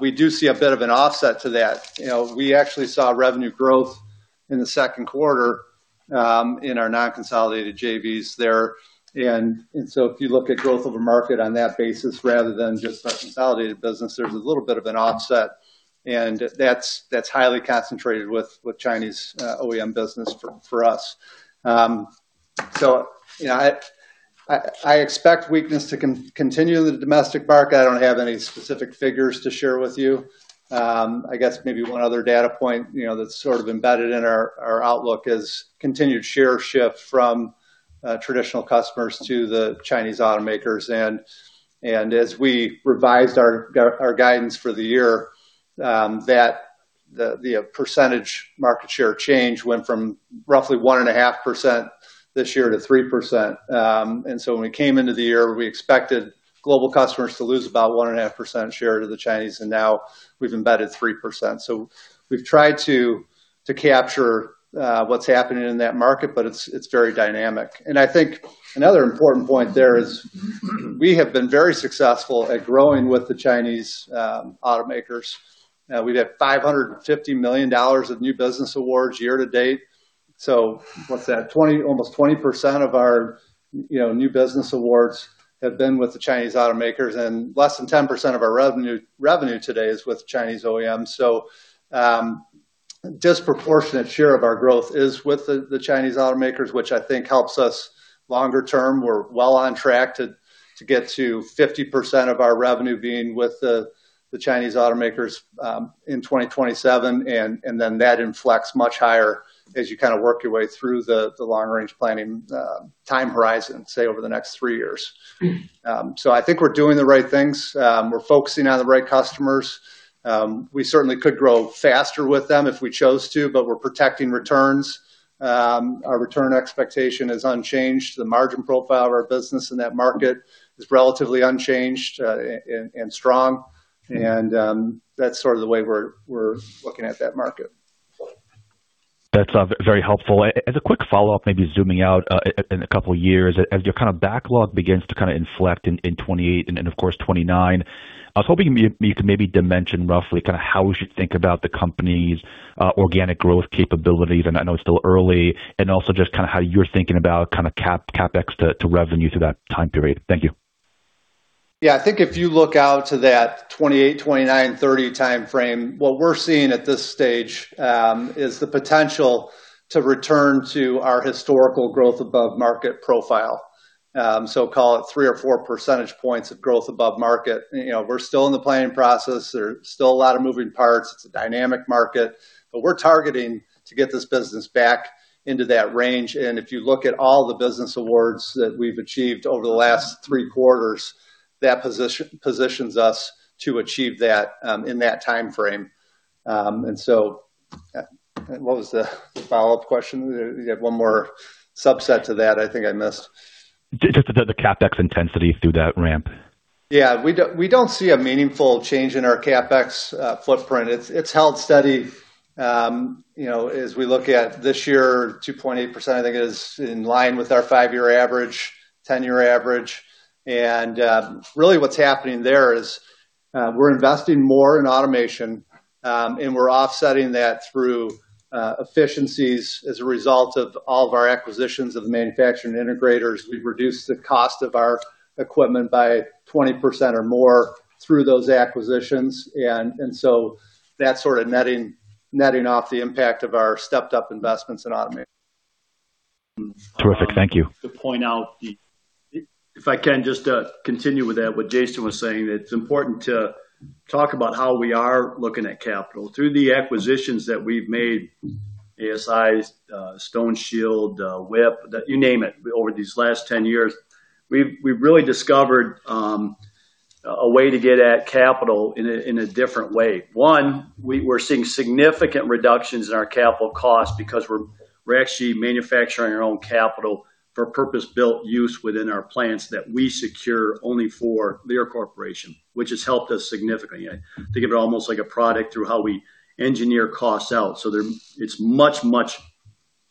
we do see a bit of an offset to that. We actually saw revenue growth in the second quarter in our non-consolidated JVs there. If you look at the growth of a market on that basis rather than just our consolidated business, there's a little bit of an offset, and that's highly concentrated with Chinese OEM business for us. I expect weakness to continue in the domestic market. I don't have any specific figures to share with you. I guess maybe one other data point that's sort of embedded in our outlook is the continued share shift from traditional customers to the Chinese automakers. As we revised our guidance for the year, we noted that the percentage market share change went from roughly 1.5% this year to 3%. When we came into the year, we expected global customers to lose about 1.5% share to the Chinese, and now we've embedded 3%. We've tried to capture what's happening in that market, but it's very dynamic. I think another important point there is we have been very successful at growing with the Chinese automakers. We have $550 million in new business awards year-to-date. What's that? Almost 20% of our new business awards have been with the Chinese automakers, and less than 10% of our revenue today is with Chinese OEMs. A disproportionate share of our growth is with the Chinese automakers, which I think helps us longer-term. We're well on track to get to 50% of our revenue being with the Chinese automakers in 2027, and then that inflects much higher as you kind of work your way through the long range planning time horizon, say, over the next three years. I think we're doing the right things. We're focusing on the right customers. We certainly could grow faster with them if we chose to, but we're protecting returns. Our return expectation is unchanged. The margin profile of our business in that market is relatively unchanged and strong. That's sort of the way we're looking at that market. That's very helpful. As a quick follow-up, maybe zooming out in a couple of years, as your backlog begins to inflect in 2028, and then of course 2029, I was hoping you could maybe dimension roughly how we should think about the company's organic growth capabilities, and I know it's still early, and also just how you're thinking about CapEx to revenue through that time period. Thank you. I think if you look out to that 2028, 2029, and 2030 timeframe, what we're seeing at this stage is the potential to return to our historical growth above market profile. Call it 3 or 4 percentage points of growth above market. We're still in the planning process. There are still a lot of moving parts. It's a dynamic market. We're targeting to get this business back into that range, and if you look at all the business awards that we've achieved over the last three quarters, that positions us to achieve that in that timeframe. What was the follow-up question? You had one more subset to that I think I missed. Just the CapEx intensity through that ramp. Yeah. We don't see a meaningful change in our CapEx footprint. It's held steady as we look at this year, 2.8%, I think, is in line with our five-year average, 10-year average. Really, what's happening there is we're investing more in automation, and we're offsetting that through efficiencies as a result of all of our acquisitions of manufacturing integrators. We've reduced the cost of our equipment by 20% or more through those acquisitions; that's sort of netting off the impact of our stepped-up investments in automation. Terrific. Thank you. If I can just continue with that, what Jason was saying, it's important to talk about how we are looking at capital through the acquisitions that we've made, ASI, StoneShield, WIP, you name it, over these last 10 years. We've really discovered a way to get at capital in a different way. One, we're seeing significant reductions in our capital costs because we're actually manufacturing our own capital for purpose-built use within our plants that we secure only for Lear Corporation, which has helped us significantly. I think of it almost like a product through how we engineer costs out. It's much, much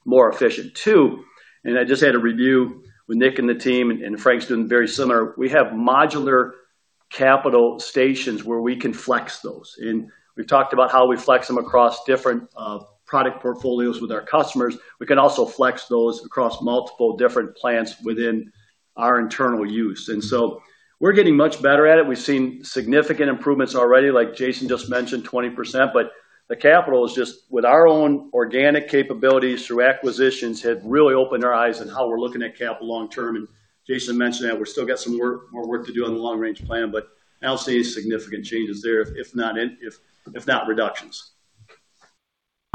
more efficient. Two, I just had a review with Nick and the team, and Frank's doing very similar. We have modular capital stations where we can flex those, and we've talked about how we flex them across different product portfolios with our customers. We can also flex those across multiple different plants within our internal use. We're getting much better at it. We've seen significant improvements already, like Jason just mentioned, 20%, but the capital is just with our own organic capabilities through acquisitions. We've really opened our eyes to how we're looking at capital long-term. Jason mentioned that we've still got some more work to do on the long-range plan, but I don't see any significant changes there, if not reductions.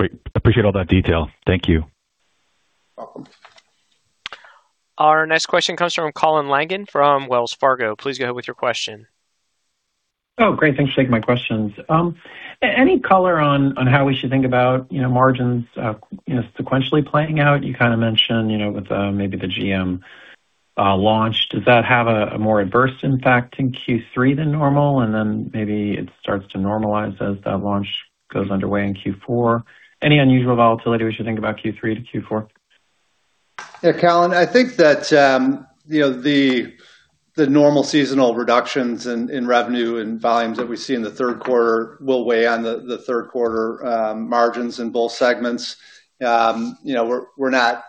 Great. Appreciate all that detail. Thank you. Welcome. Our next question comes from Colin Langan from Wells Fargo. Please go ahead with your question. Great. Thanks for taking my questions. Any color on how we should think about margins sequentially playing out? You kind of mentioned the GM launch; does that have a more adverse impact in Q3 than normal, and then maybe it starts to normalize as that launch goes underway in Q4? Any unusual volatility? We should think about Q3 to Q4. Yeah, Colin, I think that the normal seasonal reductions in revenue and volumes that we see in the third quarter will weigh on the third-quarter margins in both segments. We're not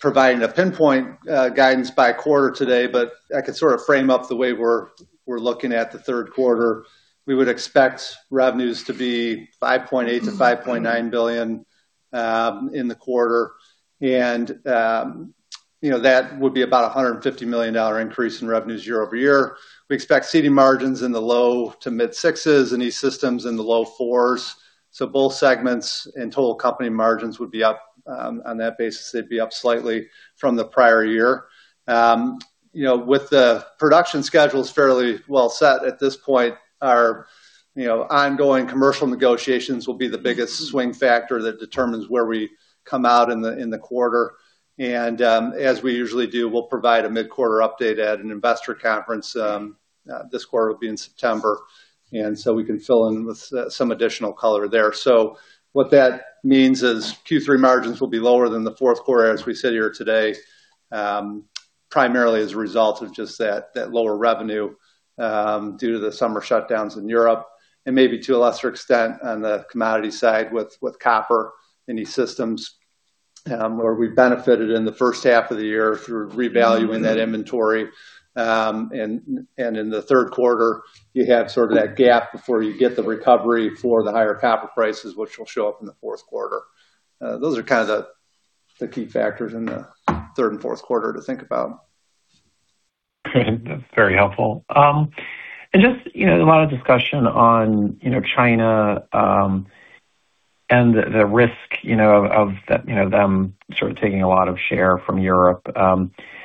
providing a pinpoint guidance by quarter today, but I could sort of frame up the way we're looking at the third quarter. We would expect revenues to be $5.8 billion-$5.9 billion in the quarter. That would be about a $150 million increase in revenues year-over-year. We expect Seating margins in the low- to mid-sixes and E-Systems in the low-fours. Both segments and total company margins would be up on that basis; they'd be up slightly from the prior year. With the production schedules fairly well set at this point, our ongoing commercial negotiations will be the biggest swing factor that determines where we come out in the quarter. As we usually do, we'll provide a mid-quarter update at an investor conference. This quarter will be in September; we can fill in with some additional color there. What that means is Q3 margins will be lower than the fourth quarter as we sit here today, primarily as a result of just that lower revenue due to the summer shutdowns in Europe and maybe to a lesser extent on the commodity side with copper and E-Systems, where we benefited in the first half of the year through revaluing that inventory. In the third quarter, you have sort of that gap before you get the recovery for the higher copper prices, which will show up in the fourth quarter. Those are kind of the key factors in the third and fourth quarters to think about. That's very helpful. Just a lot of discussion on China and the risk of them sort of taking a lot of share from Europe.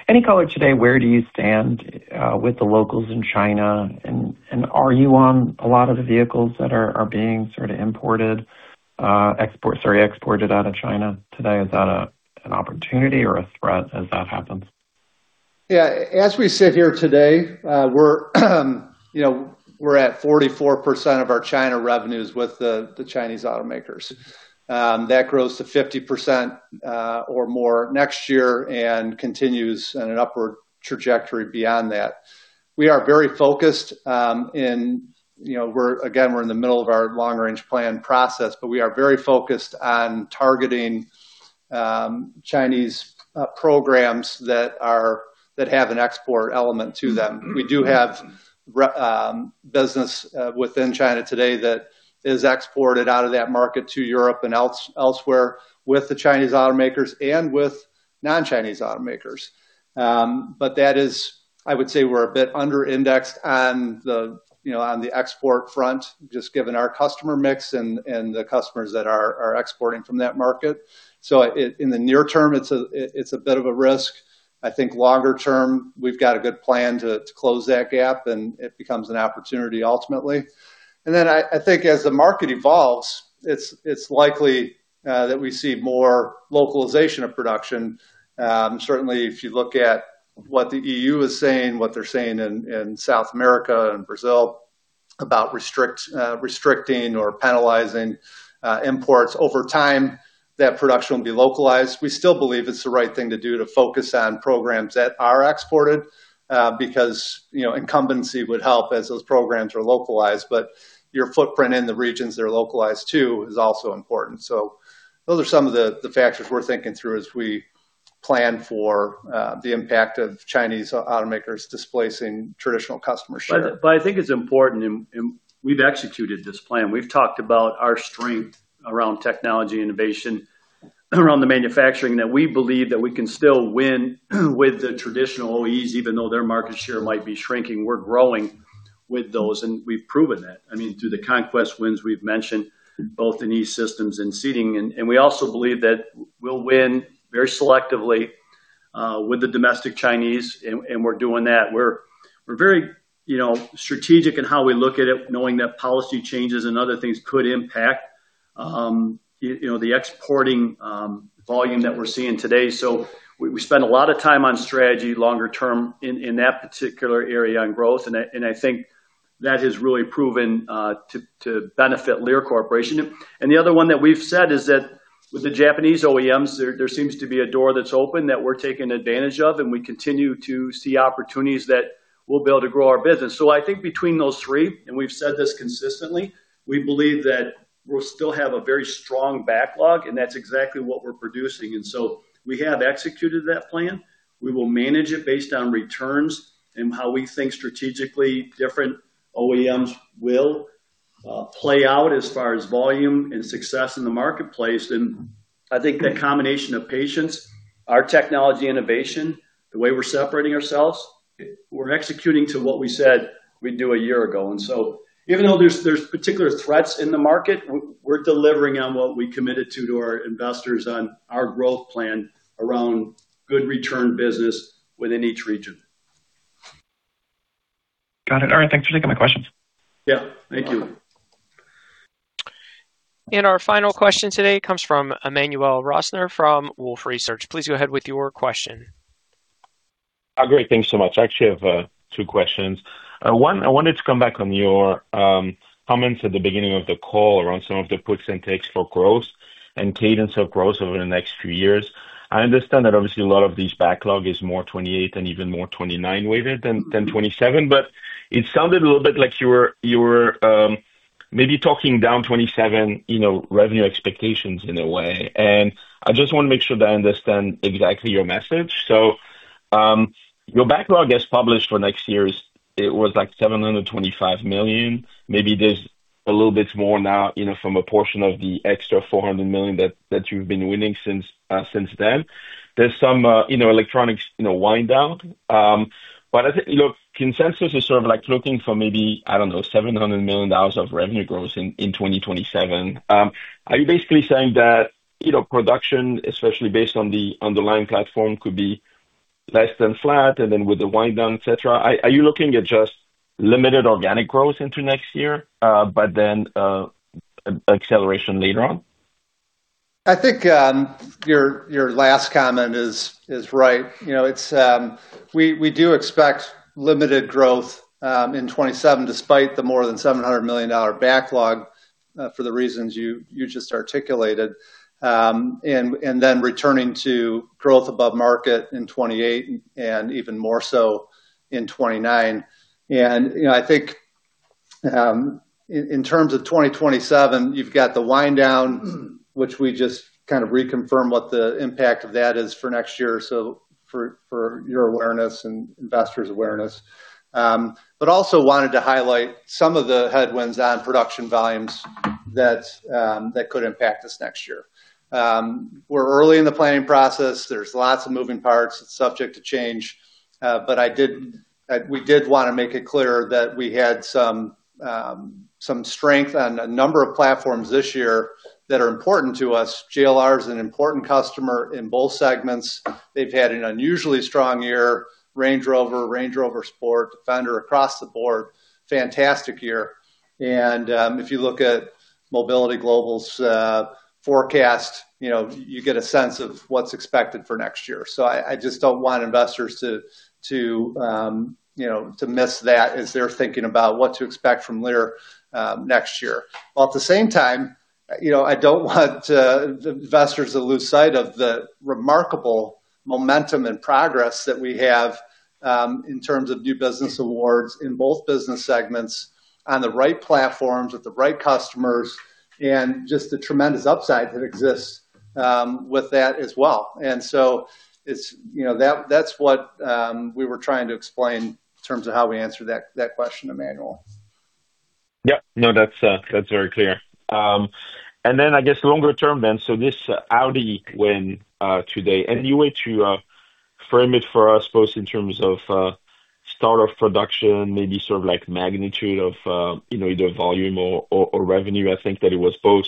Any color today, where do you stand with the locals in China? Are you on a lot of the vehicles that are being sort of imported, sorry, exported out of China today? Is that an opportunity or a threat as that happens? Yeah. As we sit here today, we're at 44% of our China revenues with the Chinese automakers. That grows to 50% or more next year and continues on an upward trajectory beyond that. We are very focused in, again, we're in the middle of our long-range plan process, but we are very focused on targeting Chinese programs that have an export element to them. We do have business within China today that is exported out of that market to Europe and elsewhere with the Chinese automakers and with non-Chinese automakers. That is, I would say, we're a bit under-indexed on the export front, just given our customer mix and the customers that are exporting from that market. In the near term, it's a bit of a risk. I think in the longer term, we've got a good plan to close that gap, and it becomes an opportunity ultimately. I think as the market evolves, it's likely that we see more localization of production. Certainly, if you look at what the EU is saying, what they're saying in South America and Brazil about restricting or penalizing imports. Over time, that production will be localized. We still believe it's the right thing to do to focus on programs that are exported, because incumbency would help as those programs are localized. Your footprint in the regions they're localized to is also important. Those are some of the factors we're thinking through as we plan for the impact of Chinese automakers displacing traditional customer share. I think it's important, and we've executed this plan. We've talked about our strength around technology innovation and around the manufacturing, and we believe that we can still win with the traditional OEs, even though their market share might be shrinking. We're growing with those, and we've proven that. I mean, through the conquest wins we've mentioned, both in E-Systems and Seating. We also believe that we'll win very selectively with the domestic Chinese, and we're doing that. We're very strategic in how we look at it, knowing that policy changes and other things could impact the exporting volume that we're seeing today. We spend a lot of time on strategy longer-term in that particular area on growth, and I think that has really proven to benefit Lear Corporation. The other one that we've said is that with the Japanese OEMs, there seems to be a door that's open that we're taking advantage of, and we continue to see opportunities that we'll be able to grow our business. I think between those three, and we've said this consistently, we believe that we'll still have a very strong backlog, and that's exactly what we're producing. We have executed that plan. We will manage it based on returns and how we think strategically different OEMs will play out as far as volume and success in the marketplace. I think that combination of patience, our technology innovation, and the way we're separating ourselves is what we're executing to do what we said we'd do a year ago. Even though there are particular threats in the market, we're delivering on what we committed to our investors on our growth plan around good-returned business within each region. Got it. All right, thanks for taking my questions. Yeah. Thank you. Our final question today comes from Emmanuel Rosner from Wolfe Research. Please go ahead with your question. Great. Thanks so much. I actually have two questions. One, I wanted to come back to your comments at the beginning of the call around some of the puts and takes for growth and the cadence of growth over the next few years. I understand that obviously a lot of this backlog is more 2028 and even more 2029 weighted than 2027, but it sounded a little bit like you were maybe talking down 2027 revenue expectations in a way. I just want to make sure that I understand exactly your message. Your backlog as published for next year is, it was like $725 million. Maybe there's a little bit more now from a portion of the extra $400 million that you've been winning since then. There's some electronics wind-down. I think, look, consensus is sort of looking for maybe, I don't know, $700 million of revenue growth in 2027. Are you basically saying that production, especially based on the underlying platform, could be less than flat and then with the wind-down, et cetera? Are you looking at just limited organic growth into next year, but then acceleration later on? I think your last comment is right. We do expect limited growth in 2027, despite the more than $700 million backlog, for the reasons you just articulated. Returning to growth above market in 2028 and even more so in 2029. In terms of 2027, you've got the wind down, and we just kind of reconfirm what the impact of that is for next year, so for your awareness and investors' awareness. Also wanted to highlight some of the headwinds on production volumes that could impact us next year. We're early in the planning process. There are lots of moving parts. It's subject to change. We did want to make it clear that we had some strength on a number of platforms this year that are important to us. JLR is an important customer in both segments. They've had an unusually strong year, Range Rover, Range Rover Sport, and Defender, across the board, a fantastic year. If you look at S&P Global Mobility's forecast, you get a sense of what's expected for next year. I just don't want investors to miss that as they're thinking about what to expect from Lear next year. While at the same time, I don't want investors to lose sight of the remarkable momentum and progress that we have in terms of new business awards in both business segments on the right platforms with the right customers and just the tremendous upside that exists with that as well. That's what we were trying to explain in terms of how we answered that question, Emmanuel. Yeah. No, that's very clear. I guess longer-term than this Audi win today, any way to frame it for us both in terms of the start of production, maybe sort of the magnitude of either volume or revenue? I think that it was both.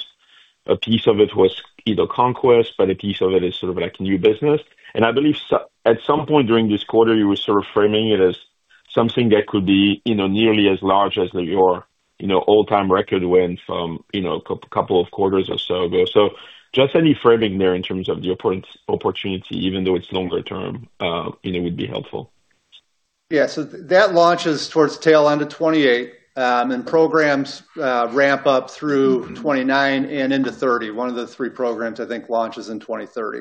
A piece of it was either conquest, but a piece of it is sort of like new business. I believe at some point during this quarter, you were sort of framing it as something that could be nearly as large as your all-time record win from a couple of quarters or so ago. Just any framing there in terms of the opportunity, even though it's longer-term, would be helpful. Yeah. That launches towards the tail end of 2028, and programs ramp up through 2029 and into 2030. One of the three programs, I think, launches in 2030.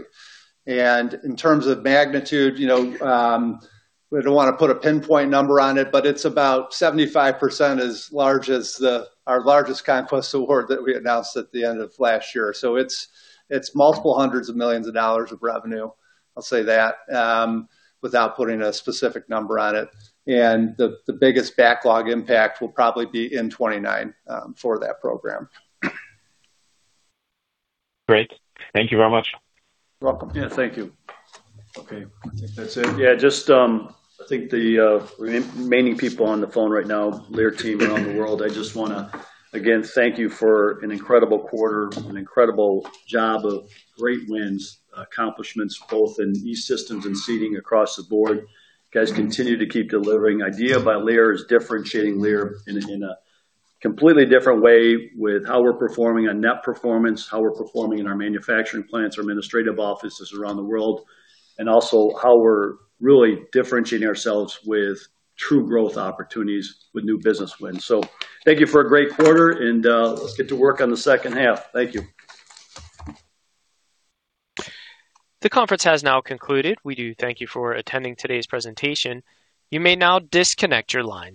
In terms of magnitude, we don't want to put a pinpoint number on it, but it's about 75% as large as our largest conquest award that we announced at the end of last year. It's multiple hundreds of millions of dollars in revenue, I'll say that, without putting a specific number on it. The biggest backlog impact will probably be in 2029 for that program. Great. Thank you very much. You're welcome. Yeah. Thank you. Okay. I think that's it. Yeah, I just think the remaining people on the phone right now, the Lear team around the world, I just want to, again, thank you for an incredible quarter and an incredible job of great wins and accomplishments, both in E-Systems and Seating across the board. You guys continue to keep delivering. IDEA by Lear is differentiating Lear in a completely different way with how we're performing on net performance, how we're performing in our manufacturing plants, our administrative offices around the world, and also how we're really differentiating ourselves with true growth opportunities with new business wins. Thank you for a great quarter, and let's get to work on the second half. Thank you. The conference has now concluded. We do thank you for attending today's presentation. You may now disconnect your lines.